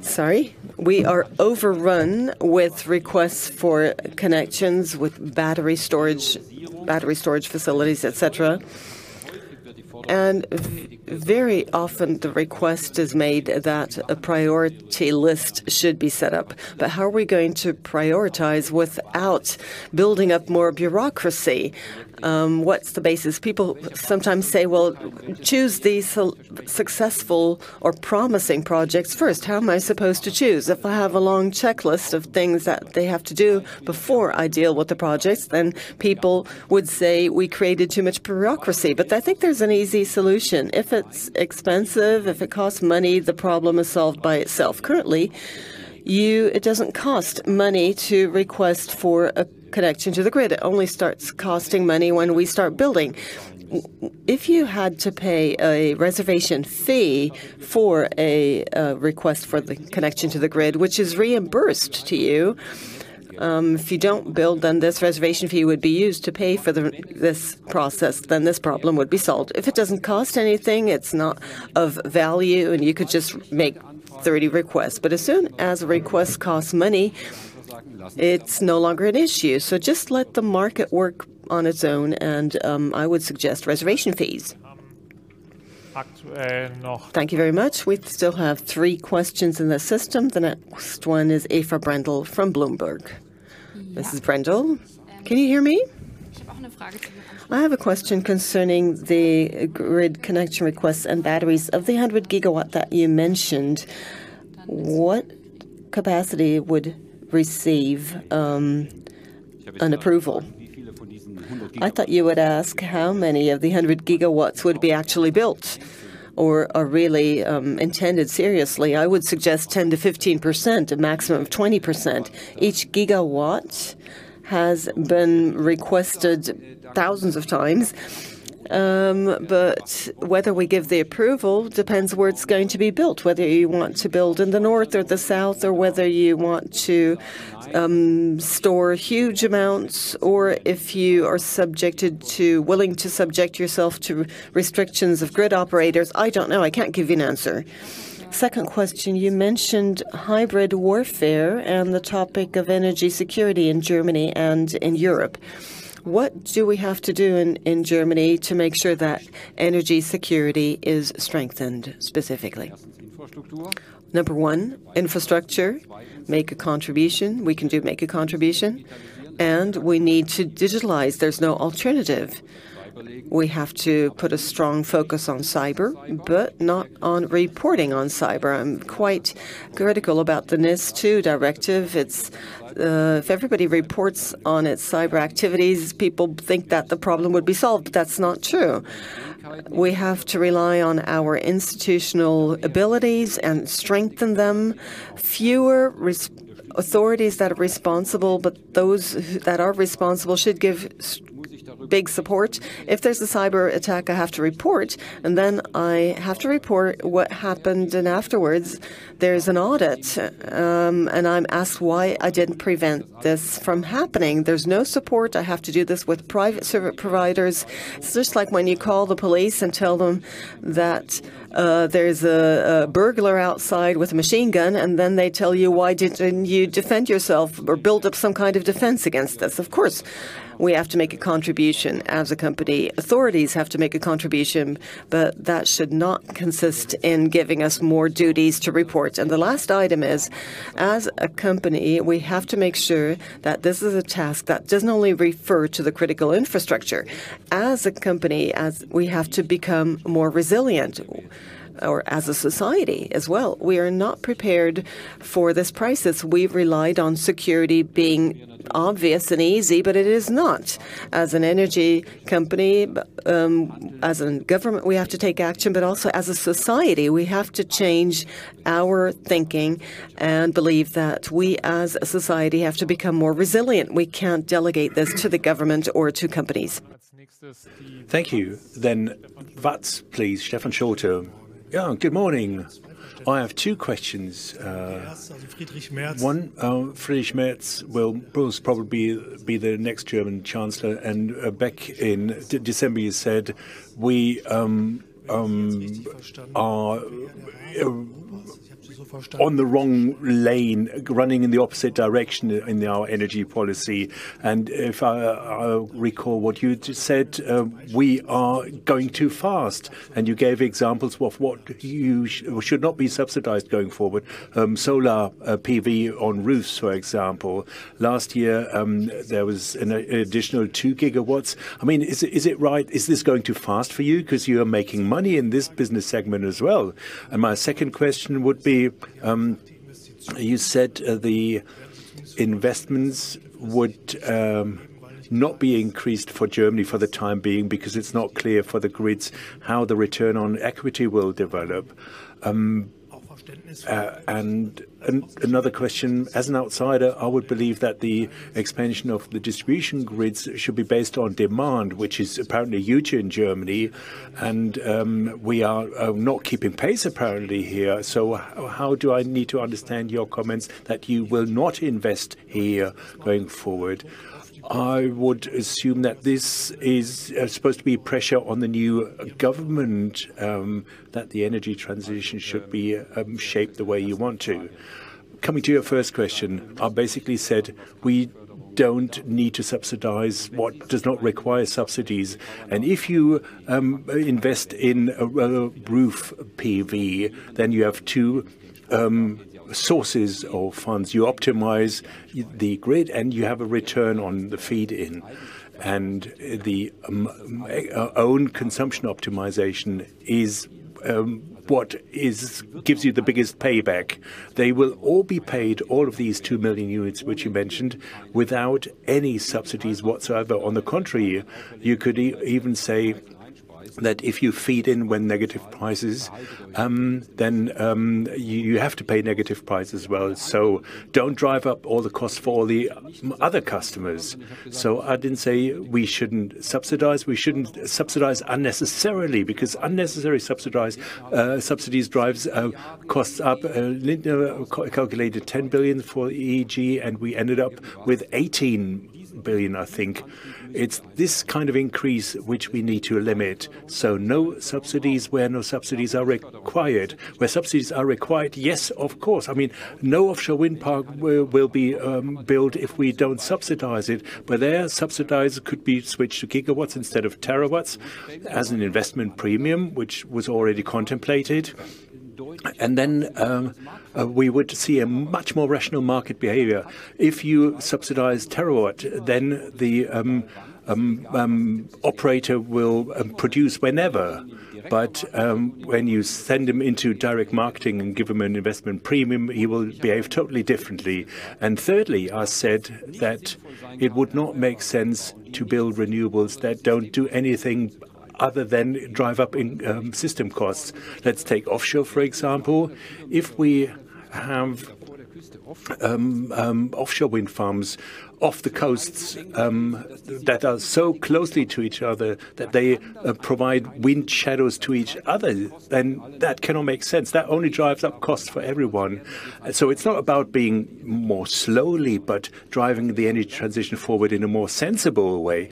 sorry. We are overrun with requests for connections with battery storage, battery storage facilities, etc. And very often the request is made that a priority list should be set up. But how are we going to prioritize without building up more bureaucracy? What's the basis? People sometimes say, well, choose these successful or promising projects first. How am I supposed to choose? If I have a long checklist of things that they have to do before I deal with the projects, then people would say we created too much bureaucracy. But I think there's an easy solution. If it's expensive, if it costs money, the problem is solved by itself. Currently, it doesn't cost money to request for a connection to the grid. It only starts costing money when we start building. If you had to pay a reservation fee for a request for the connection to the grid, which is reimbursed to you, if you don't build, then this reservation fee would be used to pay for this process, then this problem would be solved. If it doesn't cost anything, it's not of value, and you could just make 30 requests. But as soon as requests cost money, it's no longer an issue. So just let the market work on its own, and I would suggest reservation fees. Thank you very much. We still have three questions in the system. The next one is Eva Brandl from Bloomberg. This is Brandl. Can you hear me? I have a question concerning the grid connection requests and batteries of the 100 gigawatt that you mentioned. What capacity would receive an approval? I thought you would ask how many of the 100 gigawatts would be actually built or are really intended seriously. I would suggest 10%-15%, a maximum of 20%. Each gigawatt has been requested thousands of times. But whether we give the approval depends where it's going to be built, whether you want to build in the north or the south, or whether you want to store huge amounts, or if you are willing to subject yourself to restrictions of grid operators. I don't know. I can't give you an answer. Second question, you mentioned hybrid warfare and the topic of energy security in Germany and in Europe. What do we have to do in Germany to make sure that energy security is strengthened specifically? Number one, infrastructure, make a contribution. We can make a contribution, and we need to digitalize. There's no alternative. We have to put a strong focus on cyber, but not on reporting on cyber. I'm quite critical about the NIS2 Directive. If everybody reports on its cyber activities, people think that the problem would be solved. That's not true. We have to rely on our institutional abilities and strengthen them. Fewer authorities that are responsible, but those that are responsible should give big support. If there's a cyber attack, I have to report, and then I have to report what happened, and afterwards, there's an audit, and I'm asked why I didn't prevent this from happening. There's no support. I have to do this with private service providers. It's just like when you call the police and tell them that there's a burglar outside with a machine gun, and then they tell you, why didn't you defend yourself or build up some kind of defense against this? Of course, we have to make a contribution as a company. Authorities have to make a contribution, but that should not consist in giving us more duties to report. And the last item is, as a company, we have to make sure that this is a task that doesn't only refer to the critical infrastructure. As a company, we have to become more resilient, or as a society as well. We are not prepared for this crisis. We've relied on security being obvious and easy, but it is not. As an energy company, as a government, we have to take action, but also as a society, we have to change our thinking and believe that we as a society have to become more resilient. We can't delegate this to the government or to companies. Thank you. Then Watts, please. Stefan Schulte. Yeah, good morning. I have two questions. One, Friedrich Merz will probably be the next German chancellor. And back in December, you said we are on the wrong lane, running in the opposite direction in our energy policy. If I recall what you said, we are going too fast. You gave examples of what should not be subsidized going forward, solar PV on roofs, for example. Last year, there was an additional two gigawatts. I mean, is it right? Is this going too fast for you? Because you are making money in this business segment as well. My second question would be, you said the investments would not be increased for Germany for the time being because it is not clear for the grids how the return on equity will develop. Another question, as an outsider, I would believe that the expansion of the distribution grids should be based on demand, which is apparently huge in Germany. We are not keeping pace apparently here. How do I need to understand your comments that you will not invest here going forward? I would assume that this is supposed to be pressure on the new government that the energy transition should be shaped the way you want to. Coming to your first question, I basically said we don't need to subsidize what does not require subsidies. And if you invest in a roof PV, then you have two sources of funds. You optimize the grid and you have a return on the feed-in. And the own consumption optimization is what gives you the biggest payback. They will all be paid, all of these 2 million units, which you mentioned, without any subsidies whatsoever. On the contrary, you could even say that if you feed in when negative prices, then you have to pay negative prices as well. So don't drive up all the costs for all the other customers. So I didn't say we shouldn't subsidize. We shouldn't subsidize unnecessarily because unnecessary subsidies drive costs up. Lindner calculated 10 billion for EEG, and we ended up with 18 billion, I think. It's this kind of increase which we need to limit, so no subsidies where no subsidies are required. Where subsidies are required, yes, of course. I mean, no offshore wind park will be built if we don't subsidize it, but there, subsidize could be switched to gigawatts instead of terawatts as an investment premium, which was already contemplated, and then we would see a much more rational market behavior. If you subsidize terawatt, then the operator will produce whenever, but when you send him into direct marketing and give him an investment premium, he will behave totally differently, and thirdly, I said that it would not make sense to build renewables that don't do anything other than drive up system costs. Let's take offshore, for example. If we have offshore wind farms off the coasts that are so closely to each other that they provide wind shadows to each other, then that cannot make sense. That only drives up costs for everyone, so it's not about being more slowly, but driving the energy transition forward in a more sensible way.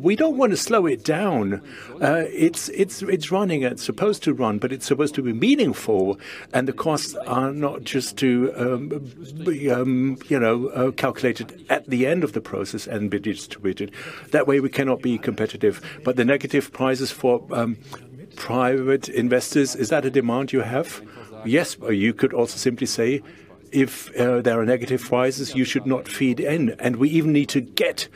We don't want to slow it down. It's running and supposed to run, but it's supposed to be meaningful, and the costs are not just to be calculated at the end of the process and be distributed. That way, we cannot be competitive, but the negative prices for private investors, is that a demand you have? Yes, but you could also simply say, if there are negative prices, you should not feed in, and we even need to get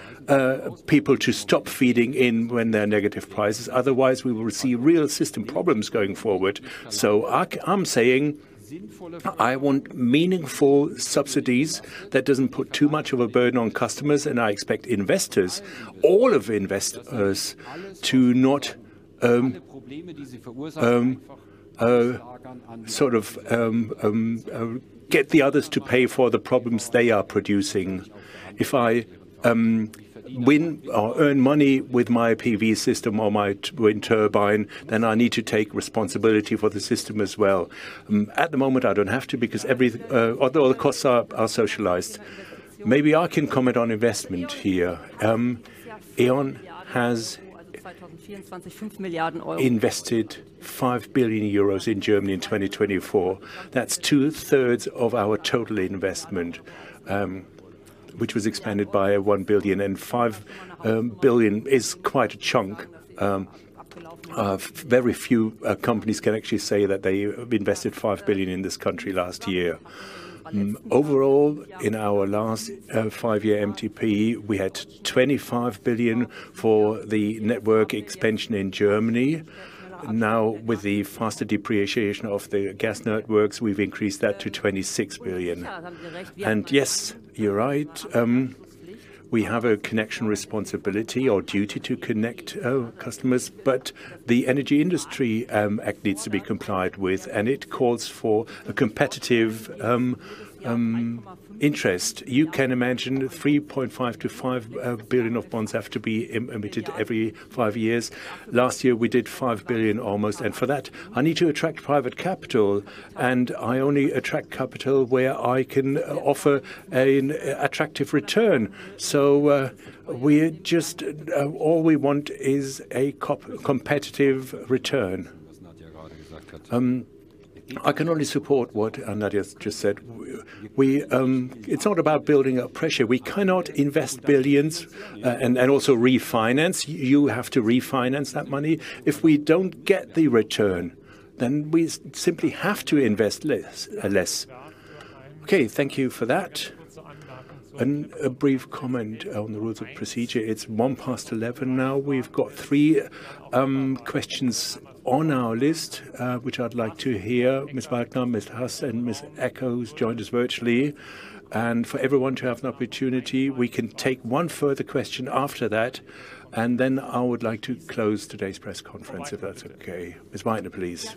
people to stop feeding in when there are negative prices. Otherwise, we will see real system problems going forward. So I'm saying I want meaningful subsidies that don't put too much of a burden on customers. And I expect investors, all of investors, to not sort of get the others to pay for the problems they are producing. If I win or earn money with my PV system or my wind turbine, then I need to take responsibility for the system as well. At the moment, I don't have to because all the costs are socialized. Maybe I can comment on investment here. E.ON has invested 5 billion euros in Germany in 2024. That's two-thirds of our total investment, which was expanded by 1 billion. And 5 billion is quite a chunk. Very few companies can actually say that they invested 5 billion in this country last year. Overall, in our last five-year MTP, we had 25 billion for the network expansion in Germany. Now, with the faster depreciation of the gas networks, we've increased that to 26 billion, and yes, you're right. We have a connection responsibility or duty to connect customers, but the Energy Industry Act needs to be complied with, and it calls for a competitive interest. You can imagine 3.5 billion-EUR 5 billion of bonds have to be emitted every five years. Last year, we did 5 billion almost, and for that, I need to attract private capital. I only attract capital where I can offer an attractive return, so all we want is a competitive return. I can only support what Nadia just said. It's not about building up pressure. We cannot invest billions and also refinance. You have to refinance that money. If we don't get the return, then we simply have to invest less. Okay, thank you for that. And a brief comment on the rules of procedure. It's 1:11 P.M. now. We've got three questions on our list, which I'd like to hear. Ms. Wagner, Ms. Haas, and Ms. Ecko, who's joined us virtually. And for everyone to have an opportunity, we can take one further question after that. And then I would like to close today's press conference, if that's okay. Ms. Wagner, please.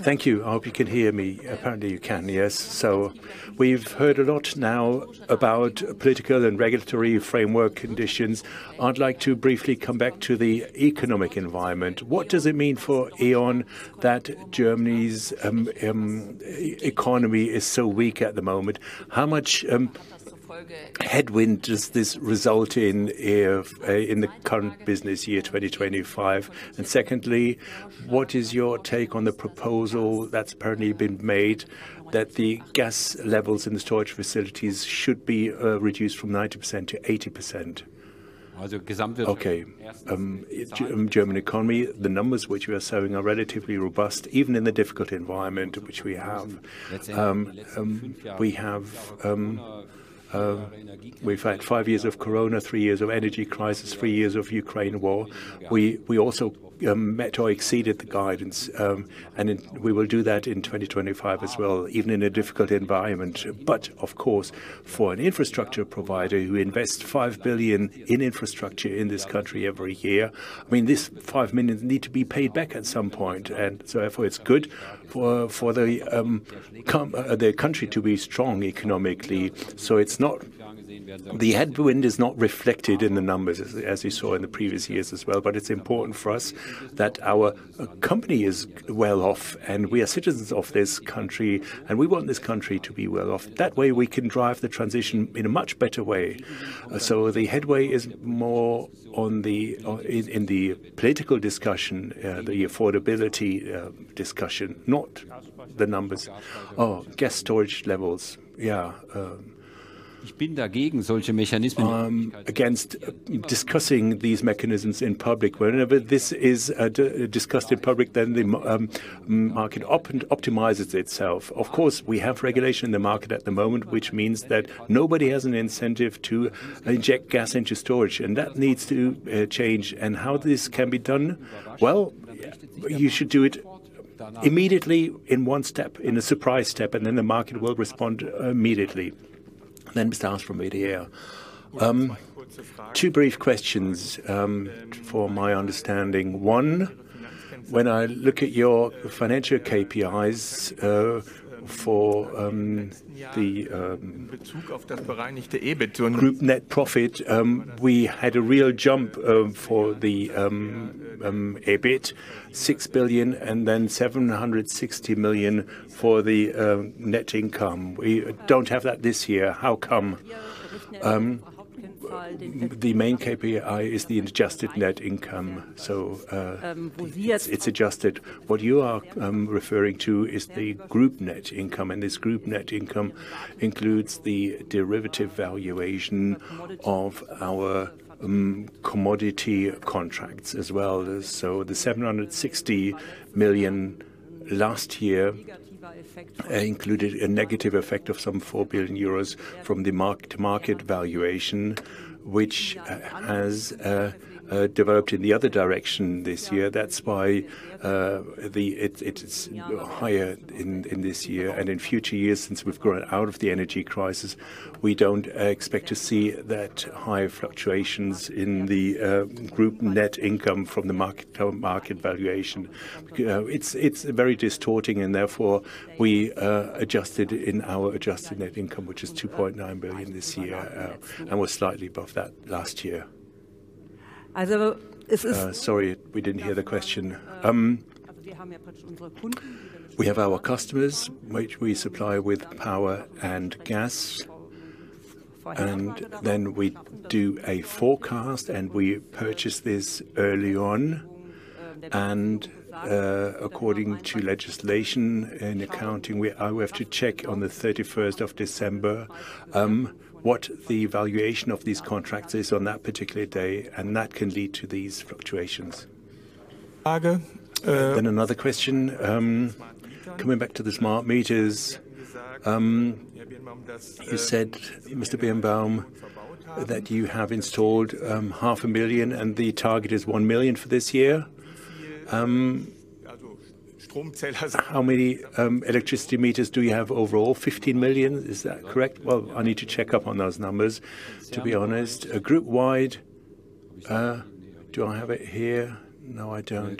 Thank you. I hope you can hear me. Apparently, you can. Yes. So we've heard a lot now about political and regulatory framework conditions. I'd like to briefly come back to the economic environment. What does it mean for E.ON that Germany's economy is so weak at the moment? How much headwind does this result in the current business year 2025? Secondly, what is your take on the proposal that's apparently been made that the gas levels in the storage facilities should be reduced from 90% to 80%? Okay. German economy, the numbers which we are showing are relatively robust, even in the difficult environment which we have. We've had five years of Corona, three years of energy crisis, three years of Ukraine war. We also met or exceeded the guidance. And we will do that in 2025 as well, even in a difficult environment. But of course, for an infrastructure provider who invests 5 billion in infrastructure in this country every year, I mean, this 5 billion needs to be paid back at some point. And so therefore, it's good for the country to be strong economically. So the headwind is not reflected in the numbers, as you saw in the previous years as well. But it's important for us that our company is well off, and we are citizens of this country, and we want this country to be well off. That way, we can drive the transition in a much better way. So the headway is more in the political discussion, the affordability discussion, not the numbers. Oh, gas storage levels. Yeah. Against discussing these mechanisms in public. Whenever this is discussed in public, then the market optimizes itself. Of course, we have regulation in the market at the moment, which means that nobody has an incentive to inject gas into storage. And that needs to change. And how this can be done? Well, you should do it immediately in one step, in a surprise step, and then the market will respond immediately. Then. That's for me. Two brief questions for my understanding. One, when I look at your financial KPIs for the group net profit, we had a real jump for the EBIT, 6 billion, and then 760 million for the net income. We don't have that this year. How come? The main KPI is the adjusted net income. So it's adjusted. What you are referring to is the group net income. And this group net income includes the derivative valuation of our commodity contracts as well. So the 760 million last year included a negative effect of some 4 billion euros from the market valuation, which has developed in the other direction this year. That's why it's higher in this year. And in future years, since we've grown out of the energy crisis, we don't expect to see that high fluctuations in the group net income from the market valuation. It's very distorting, and therefore, we adjusted in our adjusted net income, which is 2.9 billion this year, and was slightly above that last year. Sorry, we didn't hear the question. We have our customers, which we supply with power and gas, and then we do a forecast, and we purchase this early on. According to legislation and accounting, I will have to check on the 31st of December what the valuation of these contracts is on that particular day. And that can lead to these fluctuations. Then another question. Coming back to the smart meters. You said, Mr. Birnbaum, that you have installed 500,000, and the target is 1 million for this year. How many electricity meters do you have overall? 15 million. Is that correct? Well, I need to check up on those numbers, to be honest. Group wide, do I have it here? No, I don't.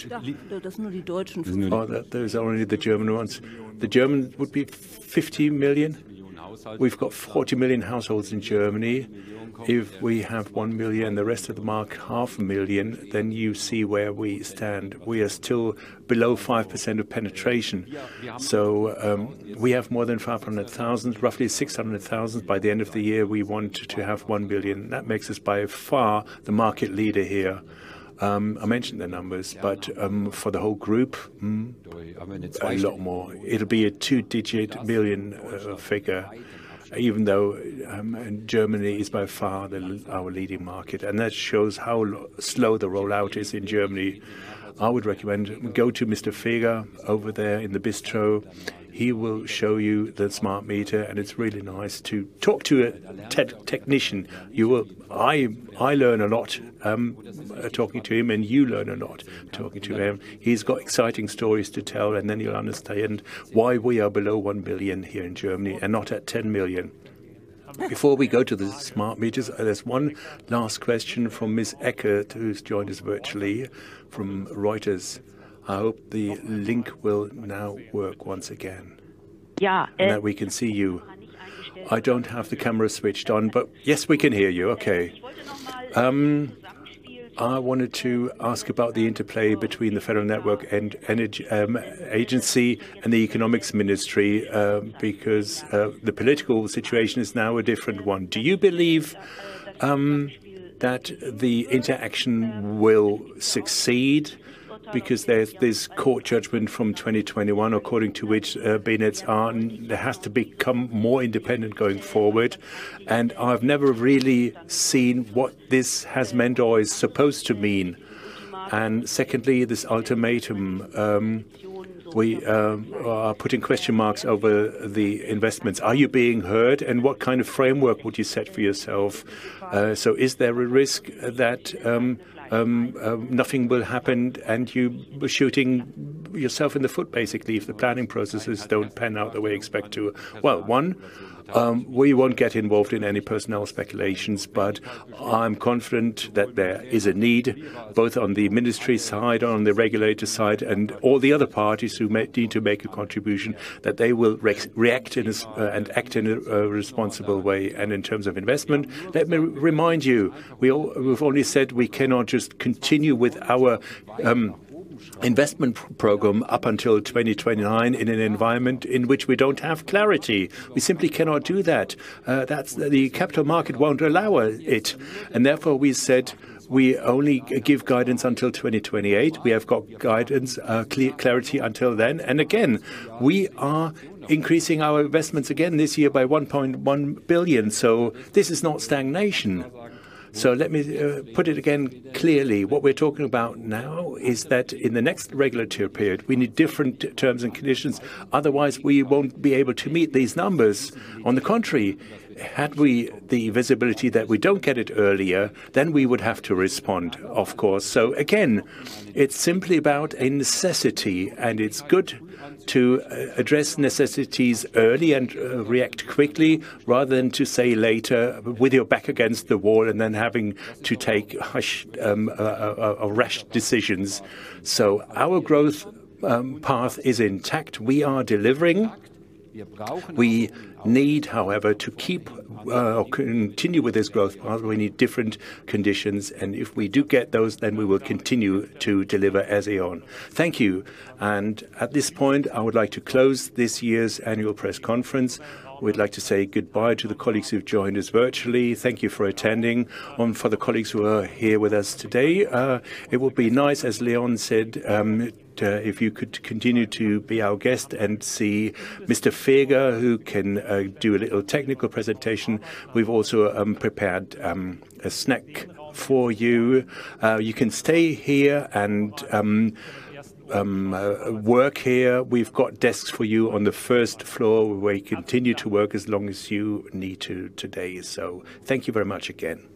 There's only the German ones. The German would be 15 million. We've got 40 million households in Germany. If we have 1 million, the rest of the market, half a million, then you see where we stand. We are still below 5% of penetration. So we have more than 500,000, roughly 600,000. By the end of the year, we want to have 1 billion. That makes us by far the market leader here. I mentioned the numbers, but for the whole group, a lot more. It'll be a two-digit million figure, even though Germany is by far our leading market, and that shows how slow the rollout is in Germany. I would recommend go to Mr. Feger over there in the bistro. He will show you the smart meter, and it's really nice to talk to a technician. I learn a lot talking to him, and you learn a lot talking to him. He's got exciting stories to tell, and then you'll understand why we are below 1 billion here in Germany and not at 10 million. Before we go to the smart meters, there's one last question from Ms. Ecker, who's joined us virtually from Reuters. I hope the link will now work once again and that we can see you. I don't have the camera switched on, but yes, we can hear you. Okay. I wanted to ask about the interplay between the Federal Network Agency and the Economics Ministry because the political situation is now a different one. Do you believe that the interaction will succeed? Because there's this court judgment from 2021, according to which BNetzA has to become more independent going forward. I've never really seen what this has meant or is supposed to mean. Secondly, this ultimatum, we are putting question marks over the investments. Are you being heard? What kind of framework would you set for yourself? Is there a risk that nothing will happen and you're shooting yourself in the foot, basically, if the planning processes don't pan out the way you expect to? One, we won't get involved in any personnel speculations, but I'm confident that there is a need, both on the ministry side, on the regulator side, and all the other parties who need to make a contribution, that they will react and act in a responsible way. In terms of investment, let me remind you, we've only said we cannot just continue with our investment program up until 2029 in an environment in which we don't have clarity. We simply cannot do that. The capital market won't allow it. And therefore, we said we only give guidance until 2028. We have got guidance, clarity until then. And again, we are increasing our investments again this year by 1.1 billion. So this is not stagnation. So let me put it again clearly. What we're talking about now is that in the next regulatory period, we need different terms and conditions. Otherwise, we won't be able to meet these numbers. On the contrary, had we the visibility that we don't get it earlier, then we would have to respond, of course. So again, it's simply about a necessity, and it's good to address necessities early and react quickly rather than to say later with your back against the wall and then having to take rash decisions. So our growth path is intact. We are delivering. We need, however, to keep or continue with this growth path. We need different conditions. And if we do get those, then we will continue to deliver as E.ON. Thank you. And at this point, I would like to close this year's annual press conference. We'd like to say goodbye to the colleagues who've joined us virtually. Thank you for attending. And for the colleagues who are here with us today, it would be nice, as Leon said, if you could continue to be our guest and see Mr. Feger, who can do a little technical presentation. We've also prepared a snack for you. You can stay here and work here. We've got desks for you on the first floor where you continue to work as long as you need to today. So thank you very much again.